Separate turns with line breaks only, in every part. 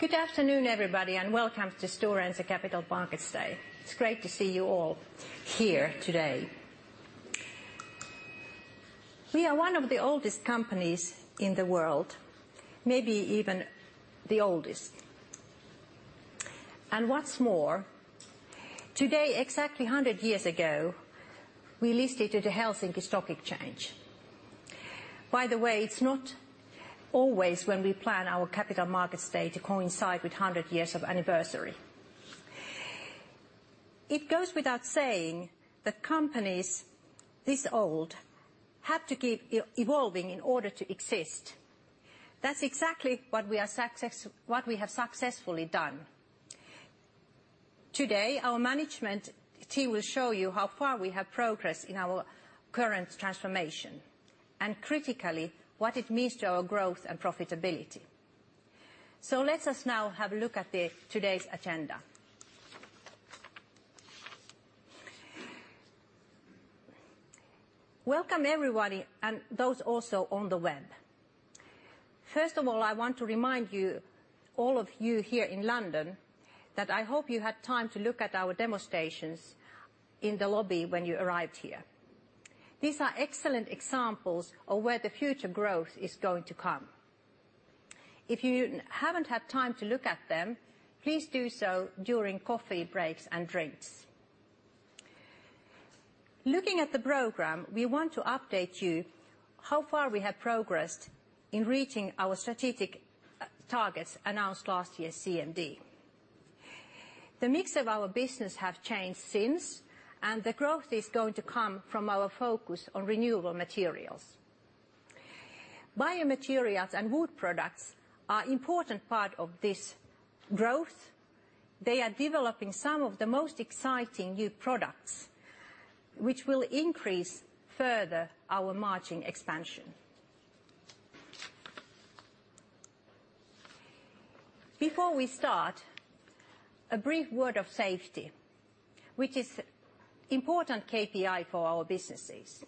Good afternoon, everybody, and welcome to Stora Enso Capital Markets Day. It's great to see you all here today. We are one of the oldest companies in the world, maybe even the oldest. What's more, today, exactly 100 years ago, we listed at the Helsinki Stock Exchange. By the way, it's not always when we plan our Capital Markets Day to coincide with 100 years of anniversary. It goes without saying that companies this old have to keep evolving in order to exist. That's exactly what we have successfully done. Today, our management team will show you how far we have progressed in our current transformation, and critically, what it means to our growth and profitability. Let us now have a look at today's agenda. Welcome, everybody, and those also on the web. First of all, I want to remind all of you here in London, that I hope you had time to look at our demonstrations in the lobby when you arrived here. These are excellent examples of where the future growth is going to come. If you haven't had time to look at them, please do so during coffee breaks and drinks. Looking at the program, we want to update you how far we have progressed in reaching our strategic targets announced last year's CMD. The mix of our business have changed since, and the growth is going to come from our focus on renewable materials. Biomaterials and wood products are important part of this growth. They are developing some of the most exciting new products, which will increase further our margin expansion. Before we start, a brief word of safety, which is important KPI for our businesses.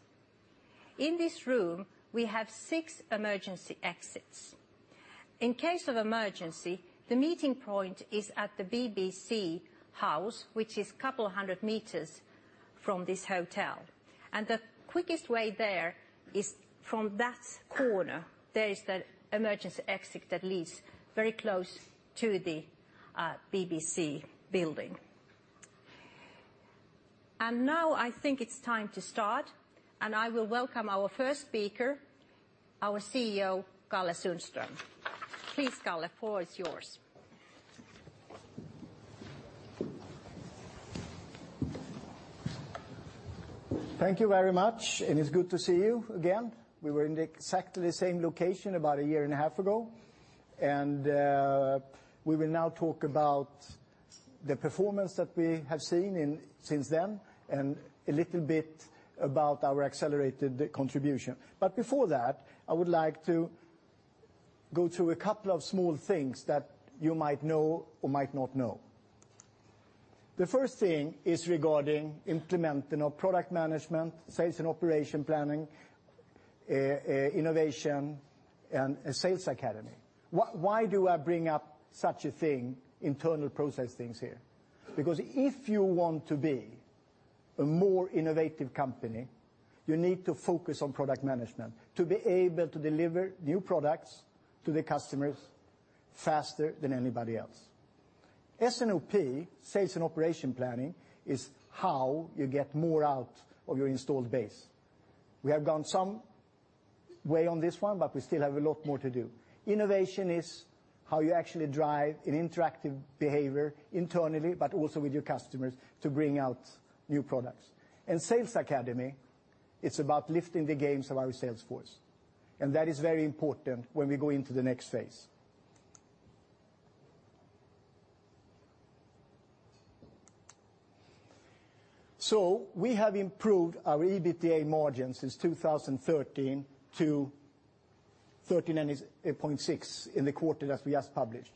In this room, we have six emergency exits. In case of emergency, the meeting point is at the BBC House, which is couple hundred meters from this hotel. The quickest way there is from that corner. There is the emergency exit that leads very close to the BBC building. Now I think it's time to start, and I will welcome our first speaker, our CEO, Kalle Sundström. Please, Kalle, the floor is yours.
Thank you very much, and it's good to see you again. We were in the exactly same location about a year and a half ago, and we will now talk about the performance that we have seen since then, and a little bit about our accelerated contribution. Before that, I would like to go through a couple of small things that you might know or might not know. The first thing is regarding implementing our product management, Sales and Operation Planning, innovation, and a sales academy. Why do I bring up such a thing, internal process things here? Because if you want to be a more innovative company, you need to focus on product management to be able to deliver new products to the customers faster than anybody else. S&OP, Sales and Operation Planning, is how you get more out of your installed base. We have gone some way on this one, but we still have a lot more to do. Innovation is how you actually drive an interactive behavior internally, but also with your customers to bring out new products. Sales academy, it's about lifting the games of our sales force. That is very important when we go into the next phase. We have improved our EBITDA margin since 2013 to 13.6% in the quarter that we just published.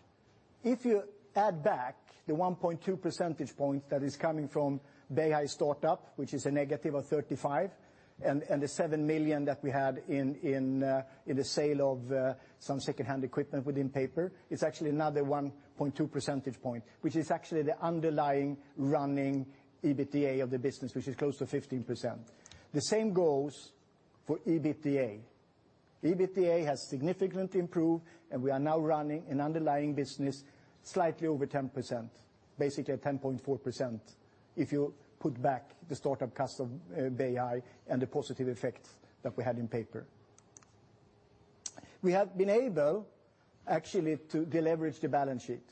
If you add back the 1.2 percentage points that is coming from Beihai startup, which is a negative of 35 million, and the 7 million that we had in the sale of some secondhand equipment within paper, it's actually another 1.2 percentage points, which is actually the underlying running EBITDA of the business, which is close to 15%. The same goes for EBITDA. EBITDA has significantly improved. We are now running an underlying business slightly over 10%, basically at 10.4% if you put back the startup cost of Beihai and the positive effects that we had in paper. We have been able, actually, to deleverage the balance sheet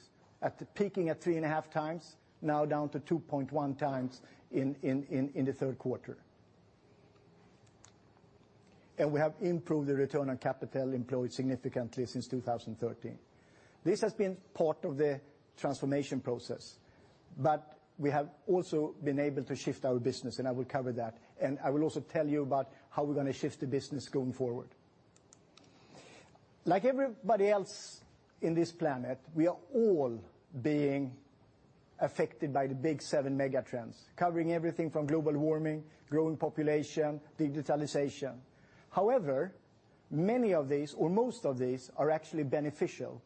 after peaking at three and a half times, now down to 2.1 times in the third quarter. We have improved the return on capital employed significantly since 2013. This has been part of the transformation process, but we have also been able to shift our business. I will cover that. I will also tell you about how we're going to shift the business going forward. Like everybody else in this planet, we are all being affected by the big seven mega trends, covering everything from global warming, growing population, digitalization. However, many of these, or most of these, are actually beneficial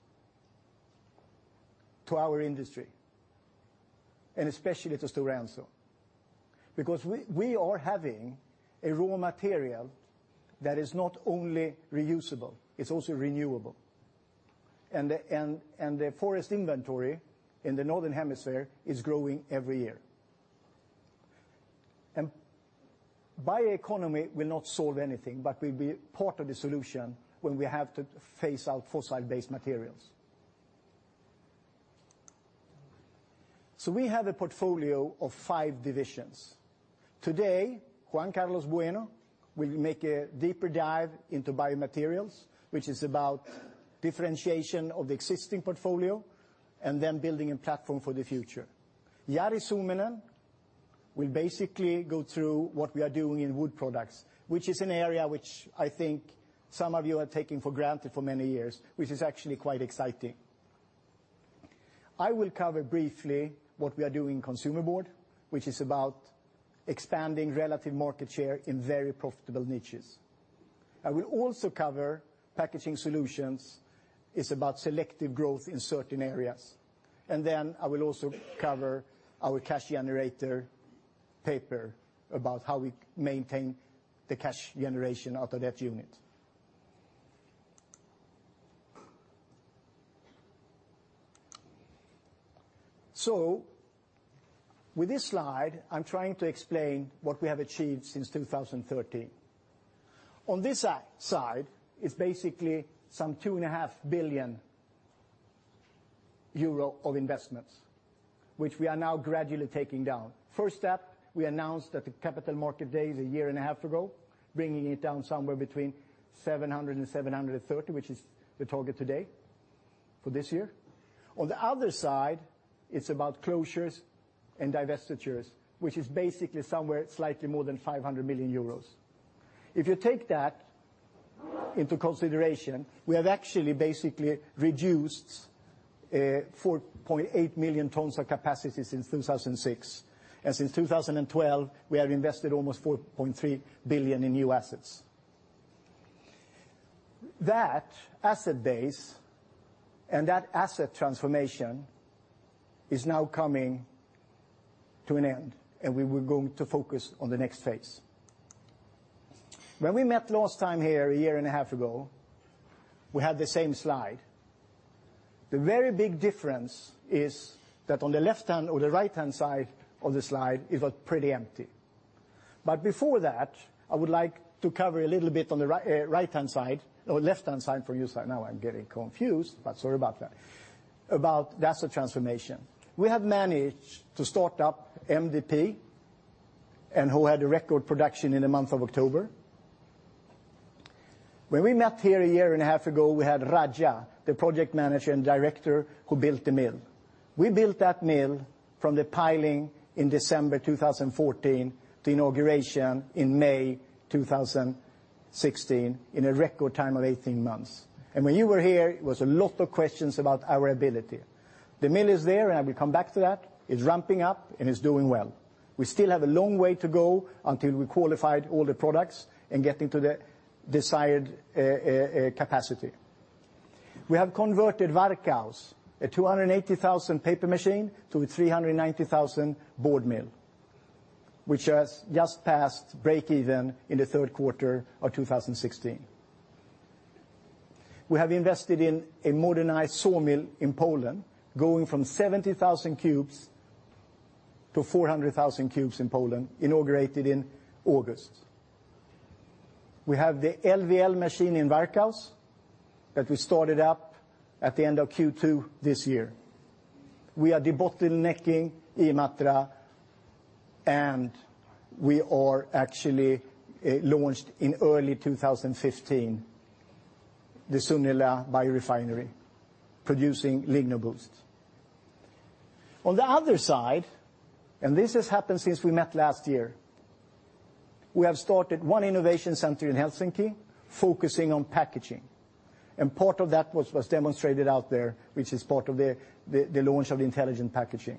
to our industry and especially to Stora Enso, because we are having a raw material that is not only reusable, it's also renewable. The forest inventory in the Northern Hemisphere is growing every year. Bioeconomy will not solve anything, but will be part of the solution when we have to phase out fossil-based materials. We have a portfolio of five divisions. Today, Juan Carlos Bueno will make a deeper dive into Biomaterials, which is about differentiation of the existing portfolio and then building a platform for the future. Jari Suominen will basically go through what we are doing in Wood Products, which is an area which I think some of you are taking for granted for many years, which is actually quite exciting. I will cover briefly what we are doing in Consumer Board, which is about expanding relative market share in very profitable niches. I will also cover Packaging Solutions. It's about selective growth in certain areas. I will also cover our cash generator Paper about how we maintain the cash generation out of that unit. With this slide, I'm trying to explain what we have achieved since 2013. On this side is basically some 2.5 billion euro of investments, which we are now gradually taking down. First step, we announced at the Capital Markets Day a year and a half ago, bringing it down somewhere between 700 million and 730 million, which is the target today for this year. On the other side, it's about closures and divestitures, which is basically somewhere slightly more than 500 million euros. If you take that into consideration, we have actually basically reduced 4.8 million tons of capacity since 2006. Since 2012, we have invested almost 4.3 billion in new assets. That asset base and that asset transformation is now coming to an end, and we are going to focus on the next phase. When we met last time here a year and a half ago, we had the same slide. The very big difference is that on the right-hand side of the slide, it was pretty empty. Before that, I would like to cover a little bit on the right-hand side, or left-hand side for you. Sorry, now I'm getting confused, but sorry about that. About asset transformation. We have managed to start up MDP, and who had a record production in the month of October. When we met here a year and a half ago, we had Raja, the Project Manager and Director, who built the mill. We built that mill from the piling in December 2014 to inauguration in May 2016 in a record time of 18 months. When you were here, it was a lot of questions about our ability. The mill is there, and I will come back to that. It's ramping up and is doing well. We still have a long way to go until we qualified all the products and get into the desired capacity. We have converted Varkaus, a 280,000 paper machine to a 390,000 board mill, which has just passed break even in the third quarter of 2016. We have invested in a modernized sawmill in Poland, going from 70,000 cubes to 400,000 cubes in Poland, inaugurated in August. We have the LVL machine in Varkaus that we started up at the end of Q2 this year. We are debottlenecking Imatra, and we are actually launched in early 2015, the Sunila biorefinery, producing LignoBoost. On the other side, this has happened since we met last year, we have started one innovation center in Helsinki focusing on packaging. Part of that was demonstrated out there, which is part of the launch of intelligent packaging.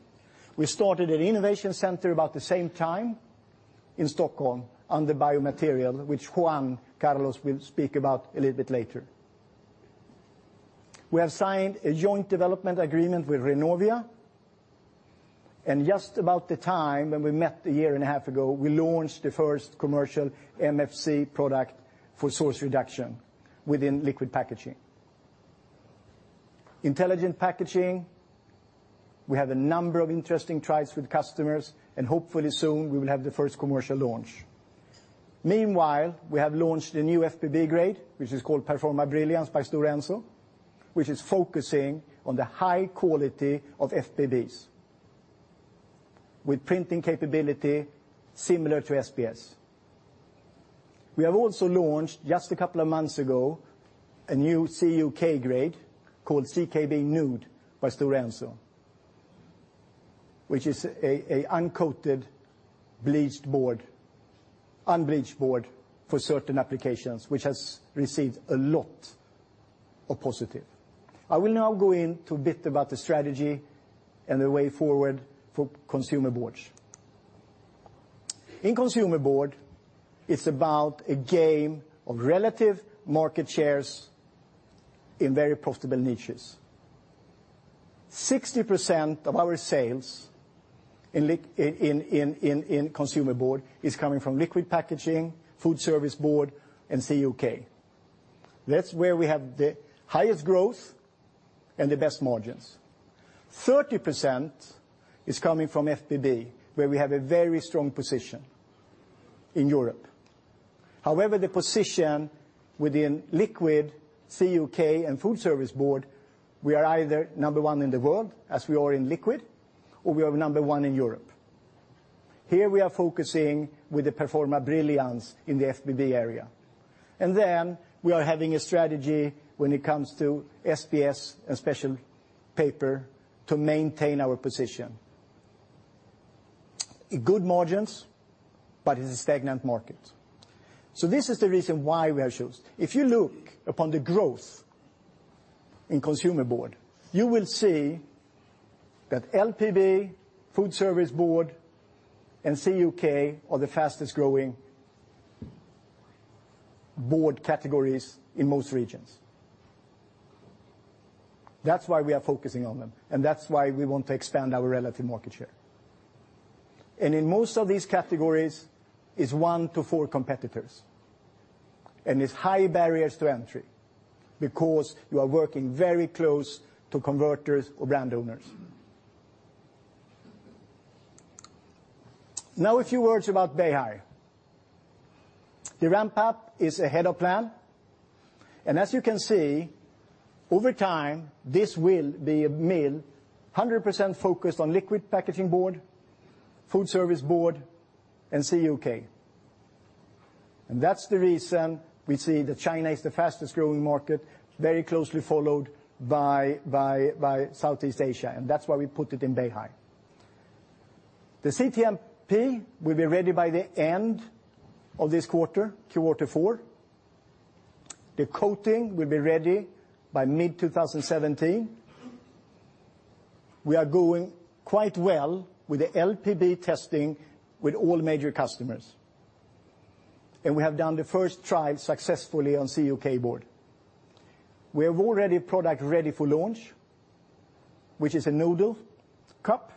We started an innovation center about the same time in Stockholm on the biomaterial, which Juan Carlos will speak about a little bit later. We have signed a joint development agreement with Rennovia, and just about the time when we met a year and a half ago, we launched the first commercial MFC product for source reduction within liquid packaging. Intelligent packaging, we have a number of interesting tries with customers, and hopefully soon we will have the first commercial launch. Meanwhile, we have launched a new FBB grade, which is called Performa Brilliance by Stora Enso, which is focusing on the high quality of FBBs with printing capability similar to SBS. We have also launched just a couple of months ago, a new CUK grade called CKB Nude by Stora Enso, which is an uncoated bleached board, unbleached board for certain applications, which has received a lot of positive. I will now go into a bit about the strategy and the way forward for consumer boards. In consumer board, it's about a game of relative market shares in very profitable niches. 60% of our sales in consumer board is coming from liquid packaging, food service board, and CUK. That's where we have the highest growth and the best margins. 30% is coming from FBB, where we have a very strong position in Europe. However, the position within liquid, CUK, and food service board, we are either number one in the world, as we are in liquid, or we are number one in Europe. Here we are focusing with the Performa Brilliance in the FBB area. We are having a strategy when it comes to SBS and special paper to maintain our position. Good margins, but it's a stagnant market. This is the reason why we have chosen. If you look upon the growth in consumer board, you will see that LPB, food service board, and CUK are the fastest-growing board categories in most regions. That's why we are focusing on them, and that's why we want to expand our relative market share. In most of these categories, it's one to four competitors. It's high barriers to entry because you are working very close to converters or brand owners. Now a few words about Beihai. The ramp-up is ahead of plan, as you can see, over time, this will be a mill 100% focused on liquid packaging board, food service board, and CUK. That's the reason we see that China is the fastest-growing market, very closely followed by Southeast Asia, and that's why we put it in Beihai. The CTMP will be ready by the end of this quarter, Q4. The coating will be ready by mid-2017. We are going quite well with the LPB testing with all major customers. We have done the first trial successfully on CUK board. We have already a product ready for launch, which is a noodle cup,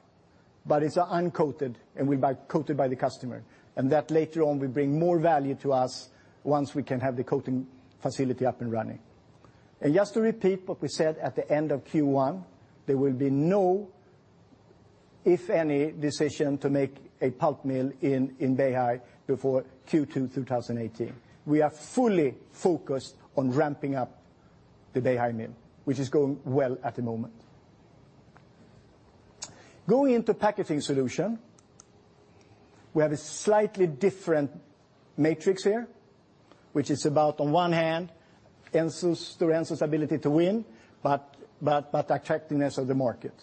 but it's uncoated and will be coated by the customer. That later on will bring more value to us once we can have the coating facility up and running. Just to repeat what we said at the end of Q1, there will be no, if any, decision to make a pulp mill in Beihai before Q2 2018. We are fully focused on ramping up the Beihai mill, which is going well at the moment. Going into packaging solution, we have a slightly different matrix here, which is about, on one hand, Stora Enso's ability to win, but attractiveness of the market.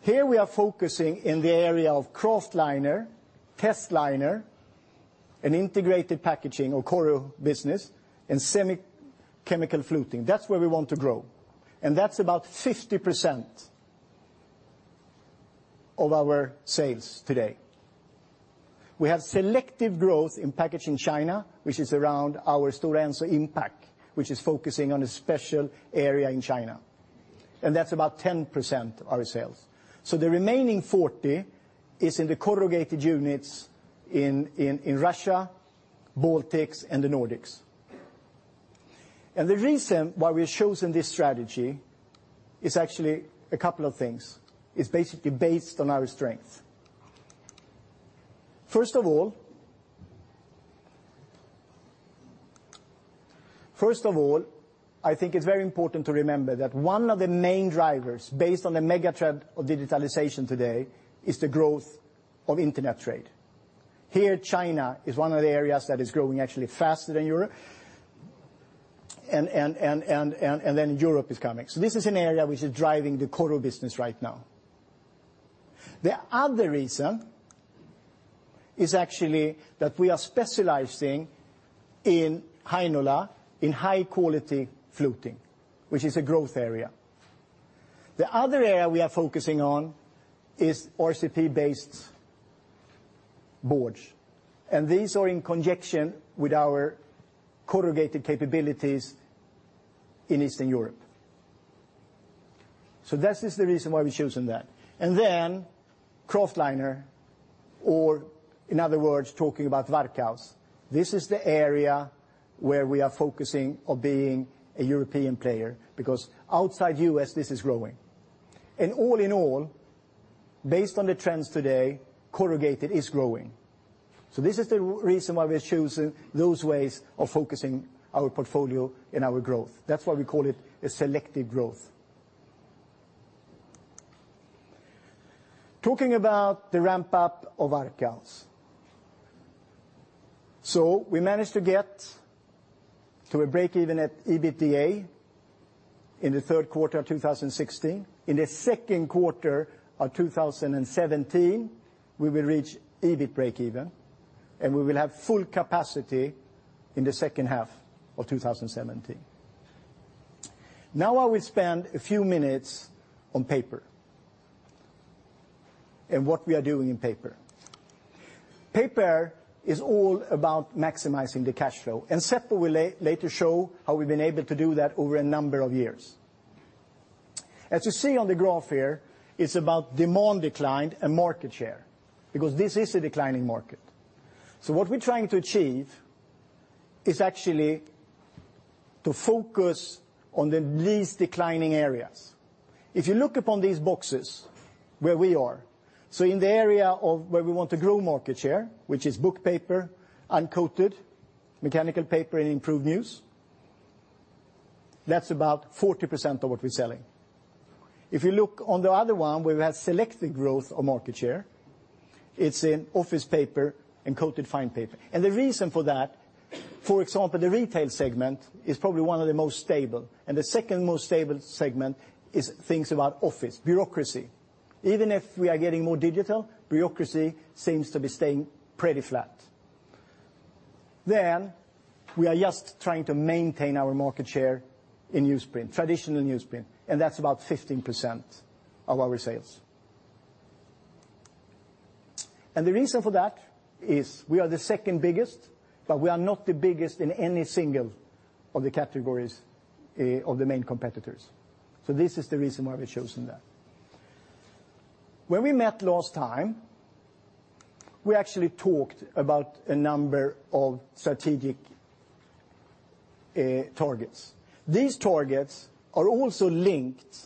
Here we are focusing in the area of kraftliner, testliner, and integrated packaging or corru business, and semi-chemical fluting. That's where we want to grow. That's about 50% of our sales today. We have selective growth in packaging China, which is around our Stora Enso Impact, which is focusing on a special area in China. That's about 10% of our sales. The remaining 40% is in the corrugated units in Russia, Baltics, and the Nordics. The reason why we've chosen this strategy is actually a couple of things. It's basically based on our strength. First of all, I think it's very important to remember that one of the main drivers, based on the mega trend of digitalization today, is the growth of internet trade. Here, China is one of the areas that is growing actually faster than Europe, and then Europe is coming. This is an area which is driving the corru business right now. The other reason is actually that we are specializing in Heinola, in high-quality fluting, which is a growth area. The other area we are focusing on is RCP-based boards. These are in conjunction with our corrugated capabilities in Eastern Europe. That is the reason why we've chosen that. Kraftliner, or in other words, talking about Varkaus. This is the area where we are focusing on being a European player, because outside U.S., this is growing. All in all, based on the trends today, corrugated is growing. This is the reason why we've chosen those ways of focusing our portfolio and our growth. That's why we call it a selective growth. Talking about the ramp-up of Varkaus. We managed to get to a breakeven at EBITDA in the third quarter of 2016. In the second quarter of 2017, we will reach EBIT breakeven, and we will have full capacity in the second half of 2017. Now I will spend a few minutes on paper, and what we are doing in paper. Paper is all about maximizing the cash flow, and Seppo will later show how we've been able to do that over a number of years. As you see on the graph here, it's about demand decline and market share, because this is a declining market. What we're trying to achieve is actually to focus on the least declining areas. If you look upon these boxes where we are, in the area of where we want to grow market share, which is book paper, uncoated, mechanical paper, and improved newsprint, that's about 40% of what we're selling. If you look on the other one, where we have selected growth of market share, it's in office paper and coated fine paper. The reason for that, for example, the retail segment is probably one of the most stable, and the second most stable segment is things about office, bureaucracy. Even if we are getting more digital, bureaucracy seems to be staying pretty flat. We are just trying to maintain our market share in newsprint, traditional newsprint, and that's about 15% of our sales. The reason for that is we are the second biggest, but we are not the biggest in any single of the categories of the main competitors. This is the reason why we've chosen that. When we met last time, we actually talked about a number of strategic targets. These targets are also linked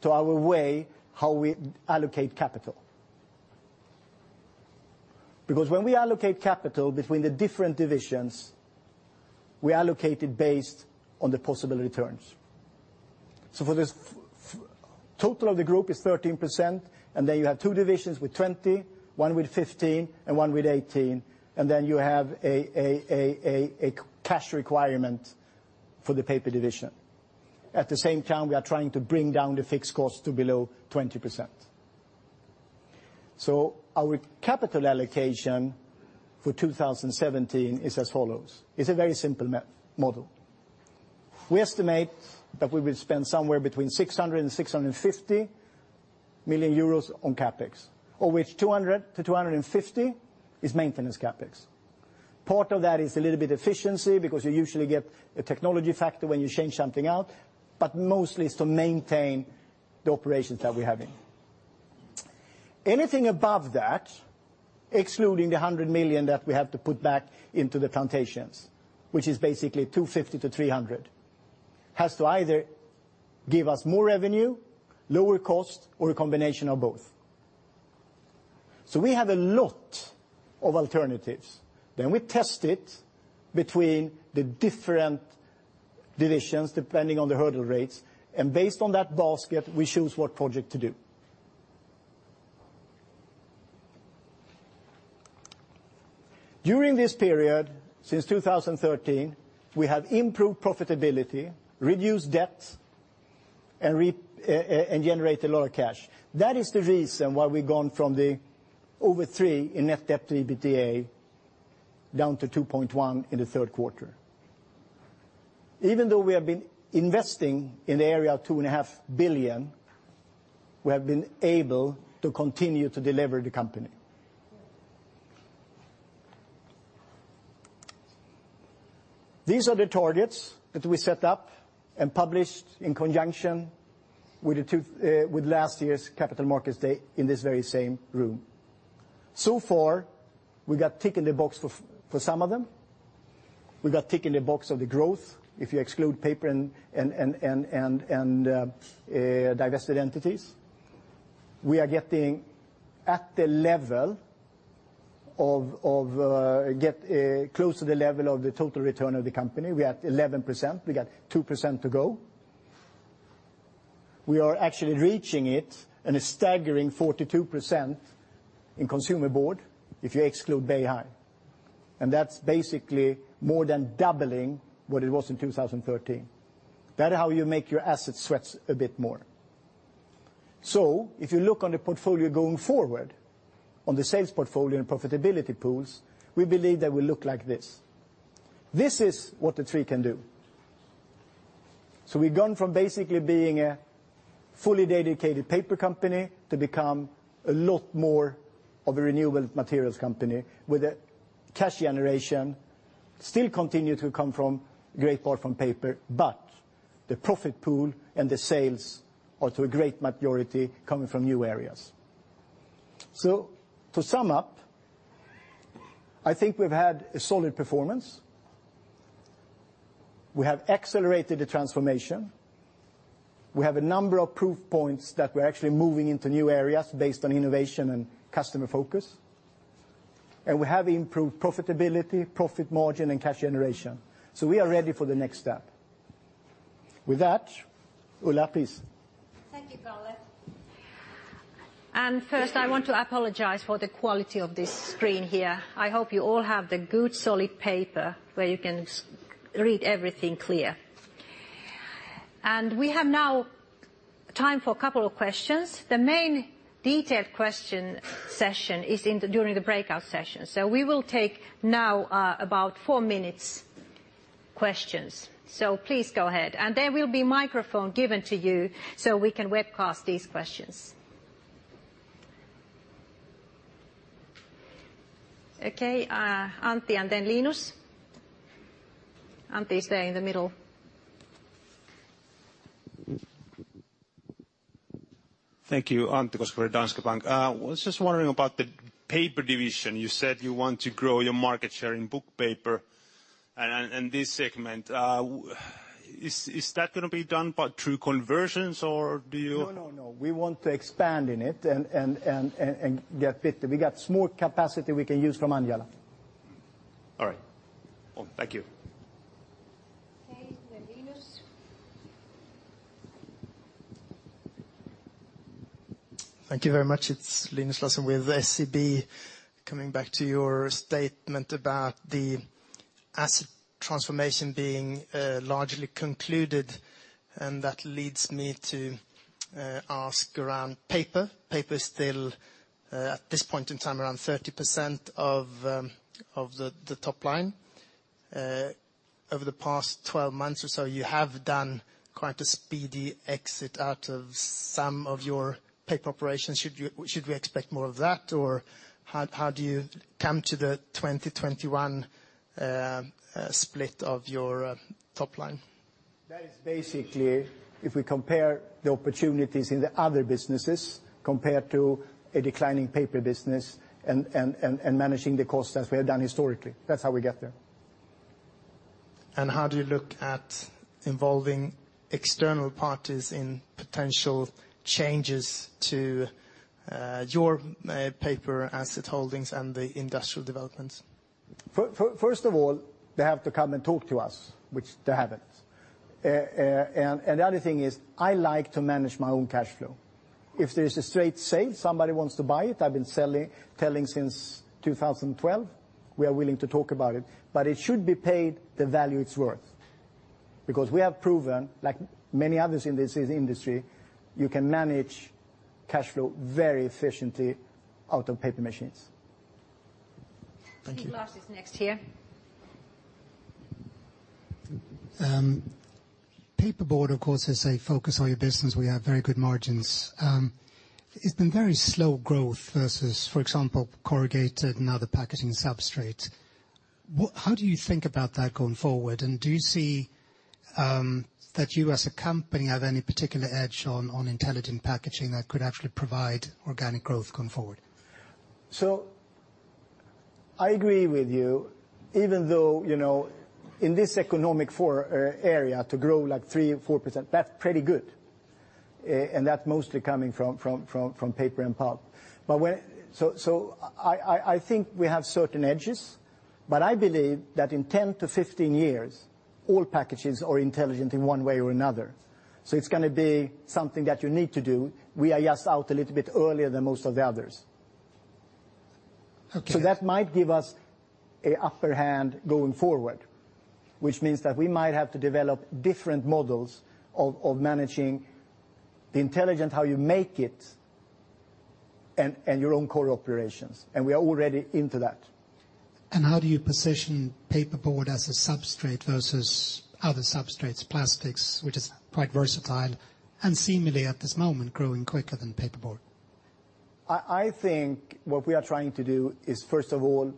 to our way how we allocate capital. Because when we allocate capital between the different divisions, we allocate it based on the possible returns. For this, total of the group is 13%, and you have two divisions with 20%, one with 15%, and one with 18%, and you have a cash requirement for the paper division. At the same time, we are trying to bring down the fixed cost to below 20%. Our capital allocation for 2017 is as follows. It's a very simple model. We estimate that we will spend somewhere between 600 million euros and 650 million euros on CapEx, of which 200 million to 250 million is maintenance CapEx. Part of that is a little bit efficiency because you usually get a technology factor when you change something out, but mostly it's to maintain the operations that we have in. Anything above that, excluding the 100 million that we have to put back into the plantations, which is basically 250 million to 300 million, has to either give us more revenue, lower cost, or a combination of both. We have a lot of alternatives. We test it between the different divisions, depending on the hurdle rates, and based on that basket, we choose what project to do. During this period, since 2013, we have improved profitability, reduced debts, and generated a lot of cash. That is the reason why we've gone from the over 3 in net debt to EBITDA down to 2.1 in the third quarter. Even though we have been investing in the area of 2.5 billion, we have been able to continue to deliver the company. These are the targets that we set up and published in conjunction with last year's Capital Markets Day in this very same room. We got tick in the box for some of them. We got tick in the box of the growth, if you exclude paper and divested entities. We are getting close to the level of the total return of the company. We are at 11%, we got 2% to go. We are actually reaching it at a staggering 42% in consumer board if you exclude Beihai, and that's basically more than doubling what it was in 2013. That is how you make your assets sweat a bit more. If you look on the portfolio going forward, on the sales portfolio and profitability pools, we believe they will look like this. This is what the tree can do. We've gone from basically being a fully dedicated paper company to become a lot more of a renewable materials company with a cash generation, still continue to come from great part from paper, but the profit pool and the sales are to a great majority coming from new areas. To sum up, I think we've had a solid performance. We have accelerated the transformation. We have a number of proof points that we're actually moving into new areas based on innovation and customer focus. We have improved profitability, profit margin, and cash generation. We are ready for the next step. With that, Ulla, please.
Thank you, Kalle. First I want to apologize for the quality of this screen here. I hope you all have the good solid paper where you can read everything clear. We have now time for a couple of questions. The main detailed question session is during the breakout session. We will take now about four minutes questions. Please go ahead, and there will be microphone given to you so we can webcast these questions. Okay, Antti and then Linus. Antti is there in the middle.
Thank you, Antti Koskivuori, Danske Bank. I was just wondering about the paper division. You said you want to grow your market share in book paper and this segment. Is that going to be done through conversions, or do you-
No, we want to expand in it and get fit. We got small capacity we can use from Anjala.
All right. Thank you.
Okay, then Linus.
Thank you very much. It's Linus Larsson with SEB. Coming back to your statement about the asset transformation being largely concluded, that leads me to ask around paper. Paper's still, at this point in time, around 30% of the top line. Over the past 12 months or so, you have done quite a speedy exit out of some of your paper operations. Should we expect more of that, or how do you come to the 2021 split of your top line?
That is basically if we compare the opportunities in the other businesses compared to a declining paper business and managing the cost as we have done historically. That's how we get there.
How do you look at involving external parties in potential changes to your paper asset holdings and the industrial developments?
First of all, they have to come and talk to us, which they haven't. The other thing is, I like to manage my own cash flow. If there is a straight sale, somebody wants to buy it, I've been telling since 2012, we are willing to talk about it should be paid the value it's worth. We have proven, like many others in this industry, you can manage cash flow very efficiently out of paper machines.
Thank you.
Steve Glass is next here.
Paperboard, of course, is a focus on your business. We have very good margins. It has been very slow growth versus, for example, corrugated and other packaging substrates. How do you think about that going forward, and do you see that you as a company have any particular edge on intelligent packaging that could actually provide organic growth going forward?
I agree with you, even though, in this economic area to grow three or 4%, that is pretty good. That is mostly coming from paper and pulp. I think we have certain edges, but I believe that in 10-15 years, all packages are intelligent in one way or another. It is going to be something that you need to do. We are just out a little bit earlier than most of the others.
Okay.
That might give us an upper hand going forward, which means that we might have to develop different models of managing the intelligence, how you make it, and your own core operations. We are already into that.
How do you position paperboard as a substrate versus other substrates, plastics, which is quite versatile, and seemingly at this moment growing quicker than paperboard?
I think what we are trying to do is first of all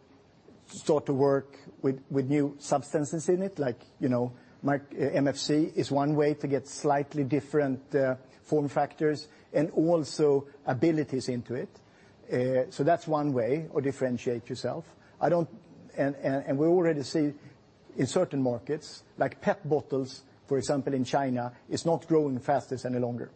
start to work with new substances in it, like MFC is one way to get slightly different form factors and also abilities into it. That's one way or differentiate yourself. We already see in certain markets, like PET bottles, for example, in China, it's not growing fastest any longer.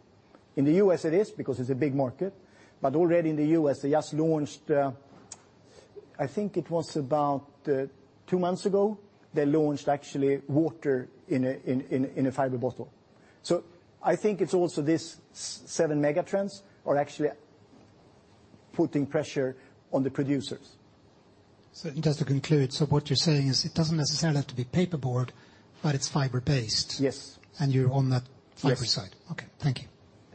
In the U.S. it is because it's a big market, but already in the U.S. they just launched, I think it was about two months ago, they launched actually water in a fiber bottle. I think it's also this seven mega trends are actually putting pressure on the producers.
Just to conclude, so what you're saying is it doesn't necessarily have to be paperboard, but it's fiber-based.
Yes.
You're on that fiber side.
Yes.
Okay. Thank you.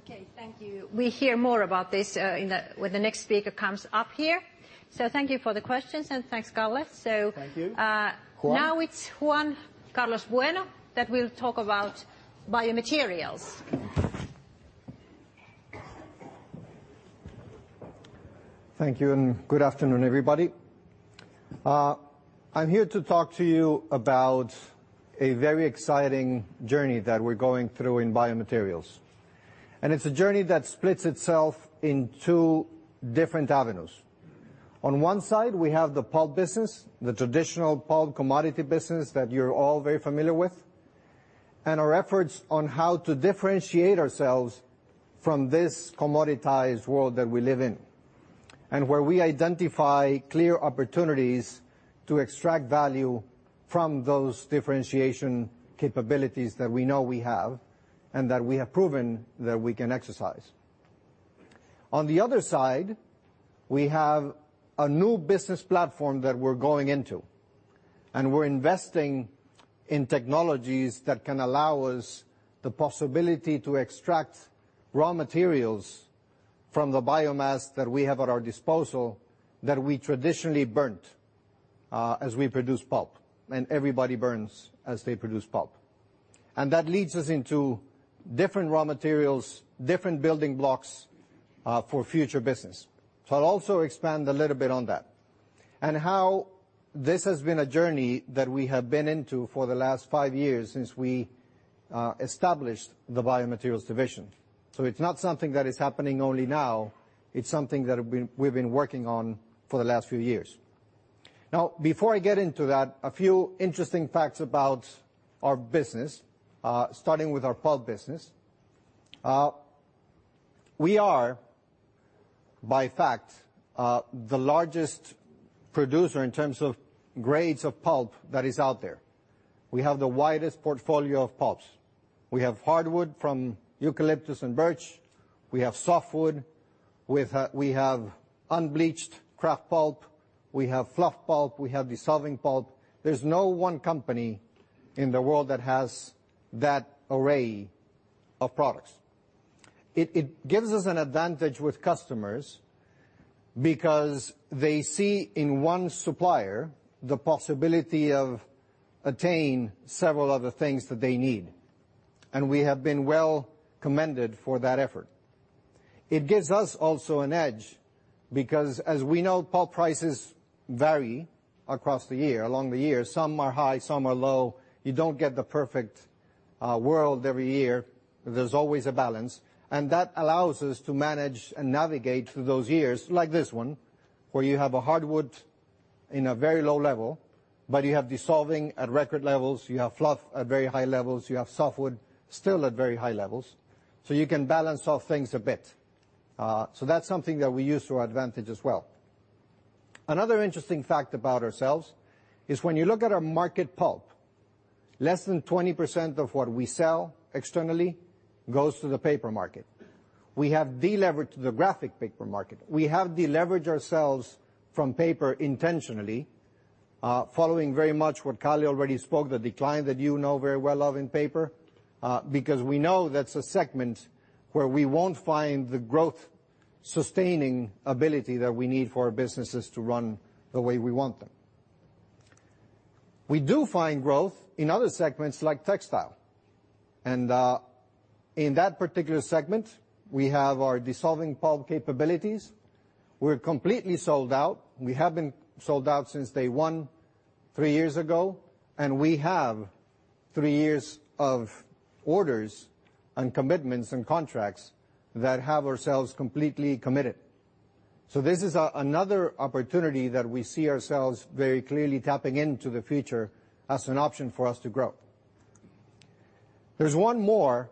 Okay, thank you. We hear more about this when the next speaker comes up here. Thank you for the questions, and thanks, Kalle.
Thank you. Juan.
It's Juan Carlos Bueno that will talk about biomaterials.
Thank you, good afternoon, everybody. I'm here to talk to you about a very exciting journey that we're going through in biomaterials. It's a journey that splits itself in two different avenues. On one side, we have the pulp business, the traditional pulp commodity business that you're all very familiar with, and our efforts on how to differentiate ourselves from this commoditized world that we live in where we identify clear opportunities to extract value from those differentiation capabilities that we know we have, and that we have proven that we can exercise. On the other side, we have a new business platform that we're going into, and we're investing in technologies that can allow us the possibility to extract raw materials from the biomass that we have at our disposal that we traditionally burnt as we produce pulp, and everybody burns as they produce pulp. That leads us into different raw materials, different building blocks for future business. I'll also expand a little bit on that, and how this has been a journey that we have been into for the last five years since we established the biomaterials division. It's not something that is happening only now, it's something that we've been working on for the last few years. Before I get into that, a few interesting facts about our business, starting with our pulp business. We are, by fact, the largest producer in terms of grades of pulp that is out there. We have the widest portfolio of pulps. We have hardwood from eucalyptus and birch. We have softwood. We have unbleached kraft pulp. We have fluff pulp. We have dissolving pulp. There's no one company in the world that has that array of products. It gives us an advantage with customers because they see in one supplier the possibility of attain several of the things that they need, we have been well commended for that effort. It gives us also an edge because as we know, pulp prices vary across the year, along the year. Some are high, some are low. You don't get the perfect world every year. There's always a balance, that allows us to manage and navigate through those years, like this one, where you have a hardwood in a very low level, but you have dissolving at record levels, you have fluff at very high levels, you have softwood still at very high levels, you can balance off things a bit. That's something that we use to our advantage as well. Another interesting fact about ourselves is when you look at our market pulp, less than 20% of what we sell externally goes to the paper market. We have de-levered to the graphic paper market. We have de-leveraged ourselves from paper intentionally, following very much what Kalle already spoke, the decline that you know very well of in paper, because we know that's a segment where we won't find the growth-sustaining ability that we need for our businesses to run the way we want them. We do find growth in other segments, like textile, and in that particular segment, we have our dissolving pulp capabilities. We're completely sold out. We have been sold out since day one three years ago, and we have three years of orders and commitments and contracts that have ourselves completely committed. This is another opportunity that we see ourselves very clearly tapping into the future as an option for us to grow. There's one more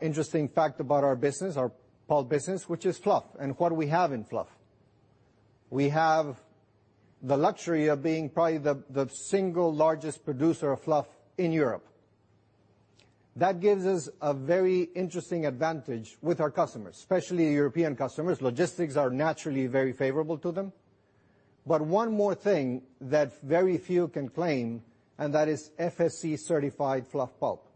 interesting fact about our business, our pulp business, which is fluff, and what we have in fluff. We have the luxury of being probably the single largest producer of fluff in Europe. That gives us a very interesting advantage with our customers, especially European customers. Logistics are naturally very favorable to them. One more thing that very few can claim, and that is FSC-certified fluff pulp.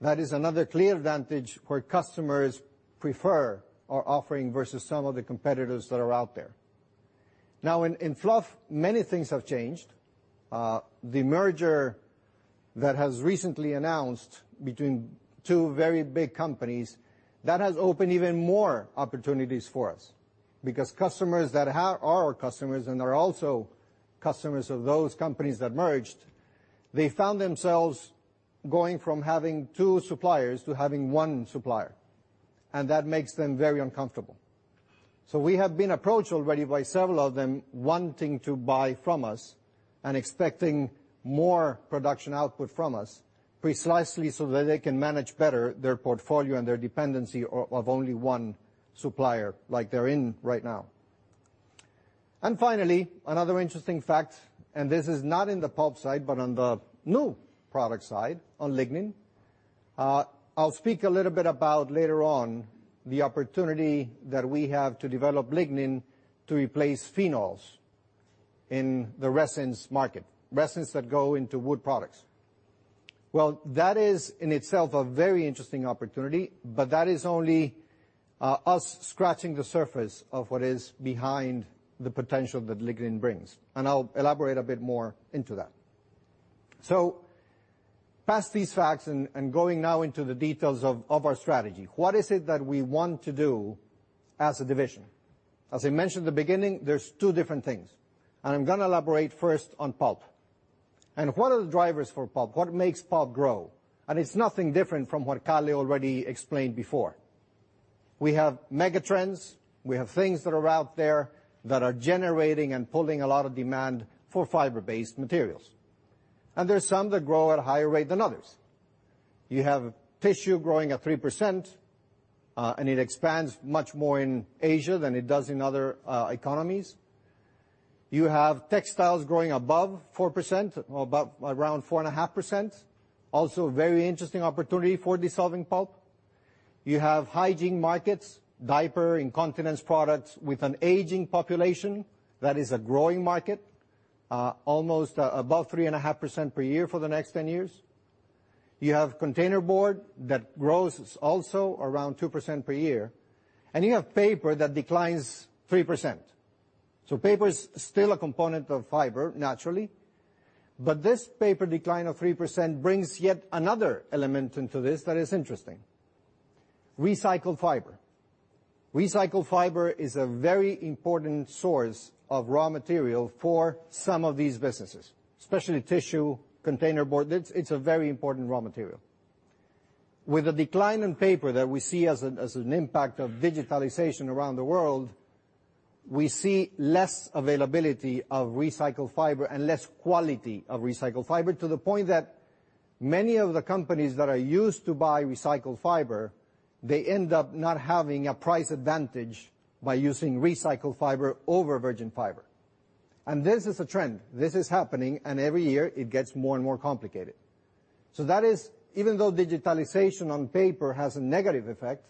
That is another clear advantage where customers prefer our offering versus some of the competitors that are out there. Now in fluff, many things have changed. The merger that has recently announced between two very big companies, that has opened even more opportunities for us, because customers that are our customers and are also customers of those companies that merged, they found themselves going from having two suppliers to having one supplier, and that makes them very uncomfortable. We have been approached already by several of them wanting to buy from us and expecting more production output from us, precisely so that they can manage better their portfolio and their dependency of only one supplier like they're in right now. Finally, another interesting fact, and this is not in the pulp side, but on the new product side, on lignin. I'll speak a little bit about later on the opportunity that we have to develop lignin to replace phenols in the resins market, resins that go into wood products. That is in itself a very interesting opportunity, That is only us scratching the surface of what is behind the potential that lignin brings, and I'll elaborate a bit more into that. Past these facts and going now into the details of our strategy, what is it that we want to do as a division? As I mentioned at the beginning, there's two different things, and I'm going to elaborate first on pulp. What are the drivers for pulp? What makes pulp grow? It's nothing different from what Kalle already explained before. We have megatrends. We have things that are out there that are generating and pulling a lot of demand for fiber-based materials. There are some that grow at a higher rate than others. You have tissue growing at 3%, and it expands much more in Asia than it does in other economies. You have textiles growing above 4%, about 4.5%. Also, a very interesting opportunity for dissolving pulp. You have hygiene markets, diaper, incontinence products. With an aging population, that is a growing market, almost above 3.5% per year for the next 10 years. You have containerboard that grows also around 2% per year. You have paper that declines 3%. Paper is still a component of fiber, naturally, but this paper decline of 3% brings yet another element into this that is interesting: recycled fiber. Recycled fiber is a very important source of raw material for some of these businesses, especially tissue, containerboard. It's a very important raw material. With the decline in paper that we see as an impact of digitalization around the world, we see less availability of recycled fiber and less quality of recycled fiber, to the point that many of the companies that are used to buying recycled fiber, they end up not having a price advantage by using recycled fiber over virgin fiber. This is a trend. This is happening. Every year it gets more and more complicated. That is, even though digitalization on paper has a negative effect,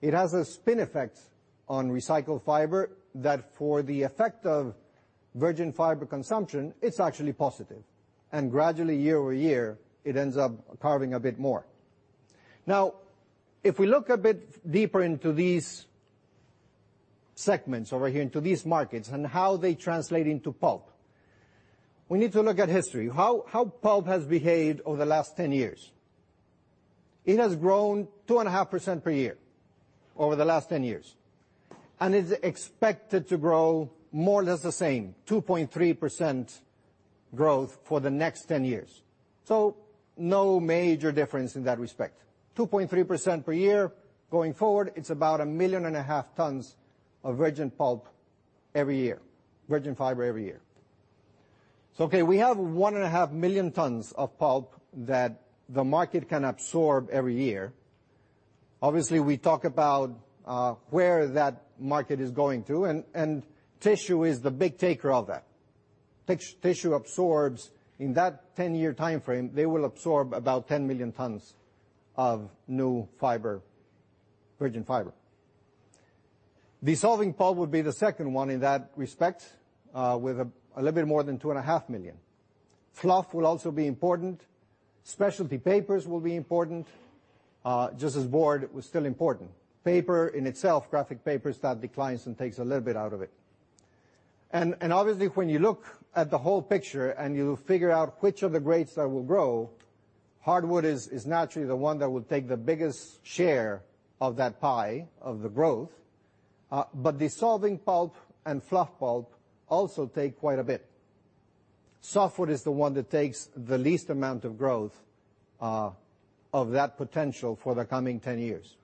it has a spin effect on recycled fiber that for the effect of virgin fiber consumption, it's actually positive, and gradually, year-over-year, it ends up carving a bit more. If we look a bit deeper into these segments over here, into these markets, and how they translate into pulp, we need to look at history, how pulp has behaved over the last 10 years. It has grown 2.5% per year over the last 10 years, and is expected to grow more or less the same, 2.3% growth for the next 10 years. No major difference in that respect. 2.3% per year going forward, it's about 1.5 million tons of virgin pulp every year, virgin fiber every year. Okay, we have 1.5 million tons of pulp that the market can absorb every year. Obviously, we talk about where that market is going to. Tissue is the big taker of that. Tissue absorbs, in that 10-year timeframe, they will absorb about 10 million tons of new virgin fiber. Dissolving pulp would be the second one in that respect, with a little bit more than 2.5 million. Fluff will also be important. Specialty papers will be important, just as board was still important. Paper in itself, graphic papers, that declines and takes a little bit out of it. Obviously, when you look at the whole picture and you figure out which of the grades that will grow, hardwood is naturally the one that will take the biggest share of that pie, of the growth, but dissolving pulp and fluff pulp also take quite a bit. Softwood is the one that takes the least amount of growth of that potential for the coming 10 years.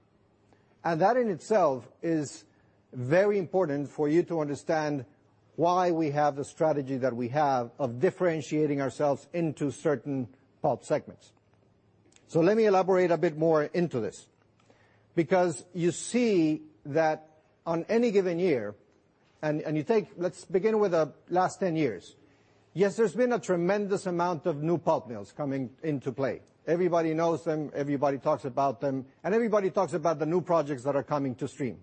That in itself is very important for you to understand why we have the strategy that we have of differentiating ourselves into certain pulp segments. Let me elaborate a bit more into this. You see that on any given year, and let's begin with the last 10 years. There's been a tremendous amount of new pulp mills coming into play. Everybody knows them, everybody talks about them, and everybody talks about the new projects that are coming to stream.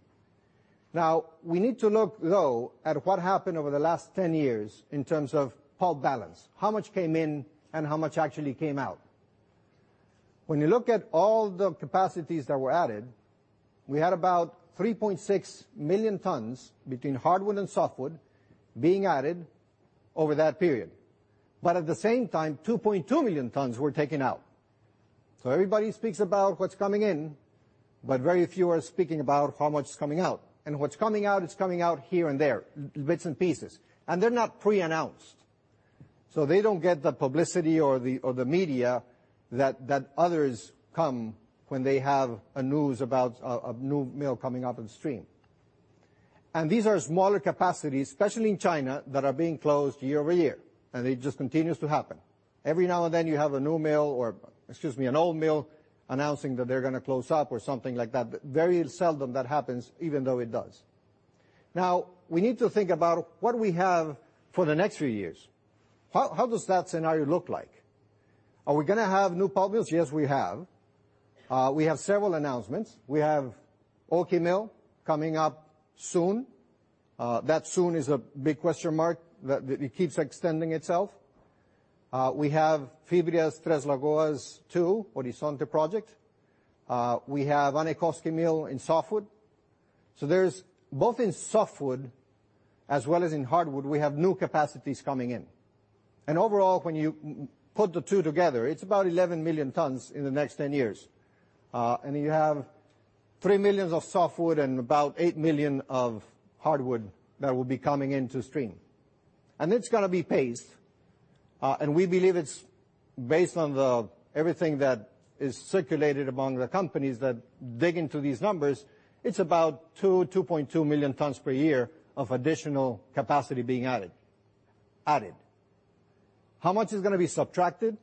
We need to look, though, at what happened over the last 10 years in terms of pulp balance. How much came in and how much actually came out. When you look at all the capacities that were added, we had about 3.6 million tons between hardwood and softwood being added over that period. At the same time, 2.2 million tons were taken out. Everybody speaks about what's coming in, but very few are speaking about how much is coming out. What's coming out is coming out here and there, bits and pieces. They're not pre-announced, so they don't get the publicity or the media that others come when they have a news about a new mill coming up in stream. These are smaller capacities, especially in China, that are being closed year-over-year, and it just continues to happen. Every now and then you have a new mill, or excuse me, an old mill announcing that they're going to close up or something like that, but very seldom that happens even though it does. We need to think about what we have for the next few years. How does that scenario look like? Are we going to have new pulp mills? We have. We have several announcements. We have Oulu mill coming up soon. That soon is a big question mark that it keeps extending itself. We have Fibria's Três Lagoas Horizonte 2 project. We have Äänekoski mill in softwood. There's both in softwood as well as in hardwood, we have new capacities coming in. Overall, when you put the 2 together, it's about 11 million tons in the next 10 years. You have 3 millions of softwood and about 8 million of hardwood that will be coming into stream. It's going to be paced, and we believe it's based on the everything that is circulated among the companies that dig into these numbers, it's about 2.2 million tons per year of additional capacity being added. Added. How much is gonna be subtracted?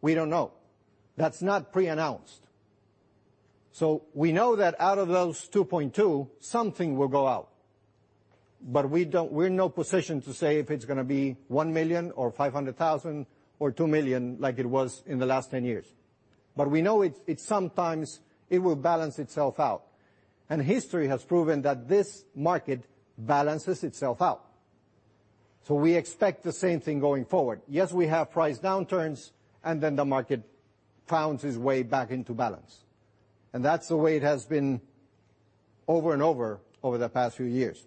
We don't know. That's not pre-announced. We know that out of those 2.2, something will go out. We're in no position to say if it's gonna be 1 million or 500,000 or 2 million, like it was in the last 10 years. We know sometimes it will balance itself out, and history has proven that this market balances itself out. We expect the same thing going forward. We have price downturns, and the market finds its way back into balance, and that's the way it has been over and over the past few years.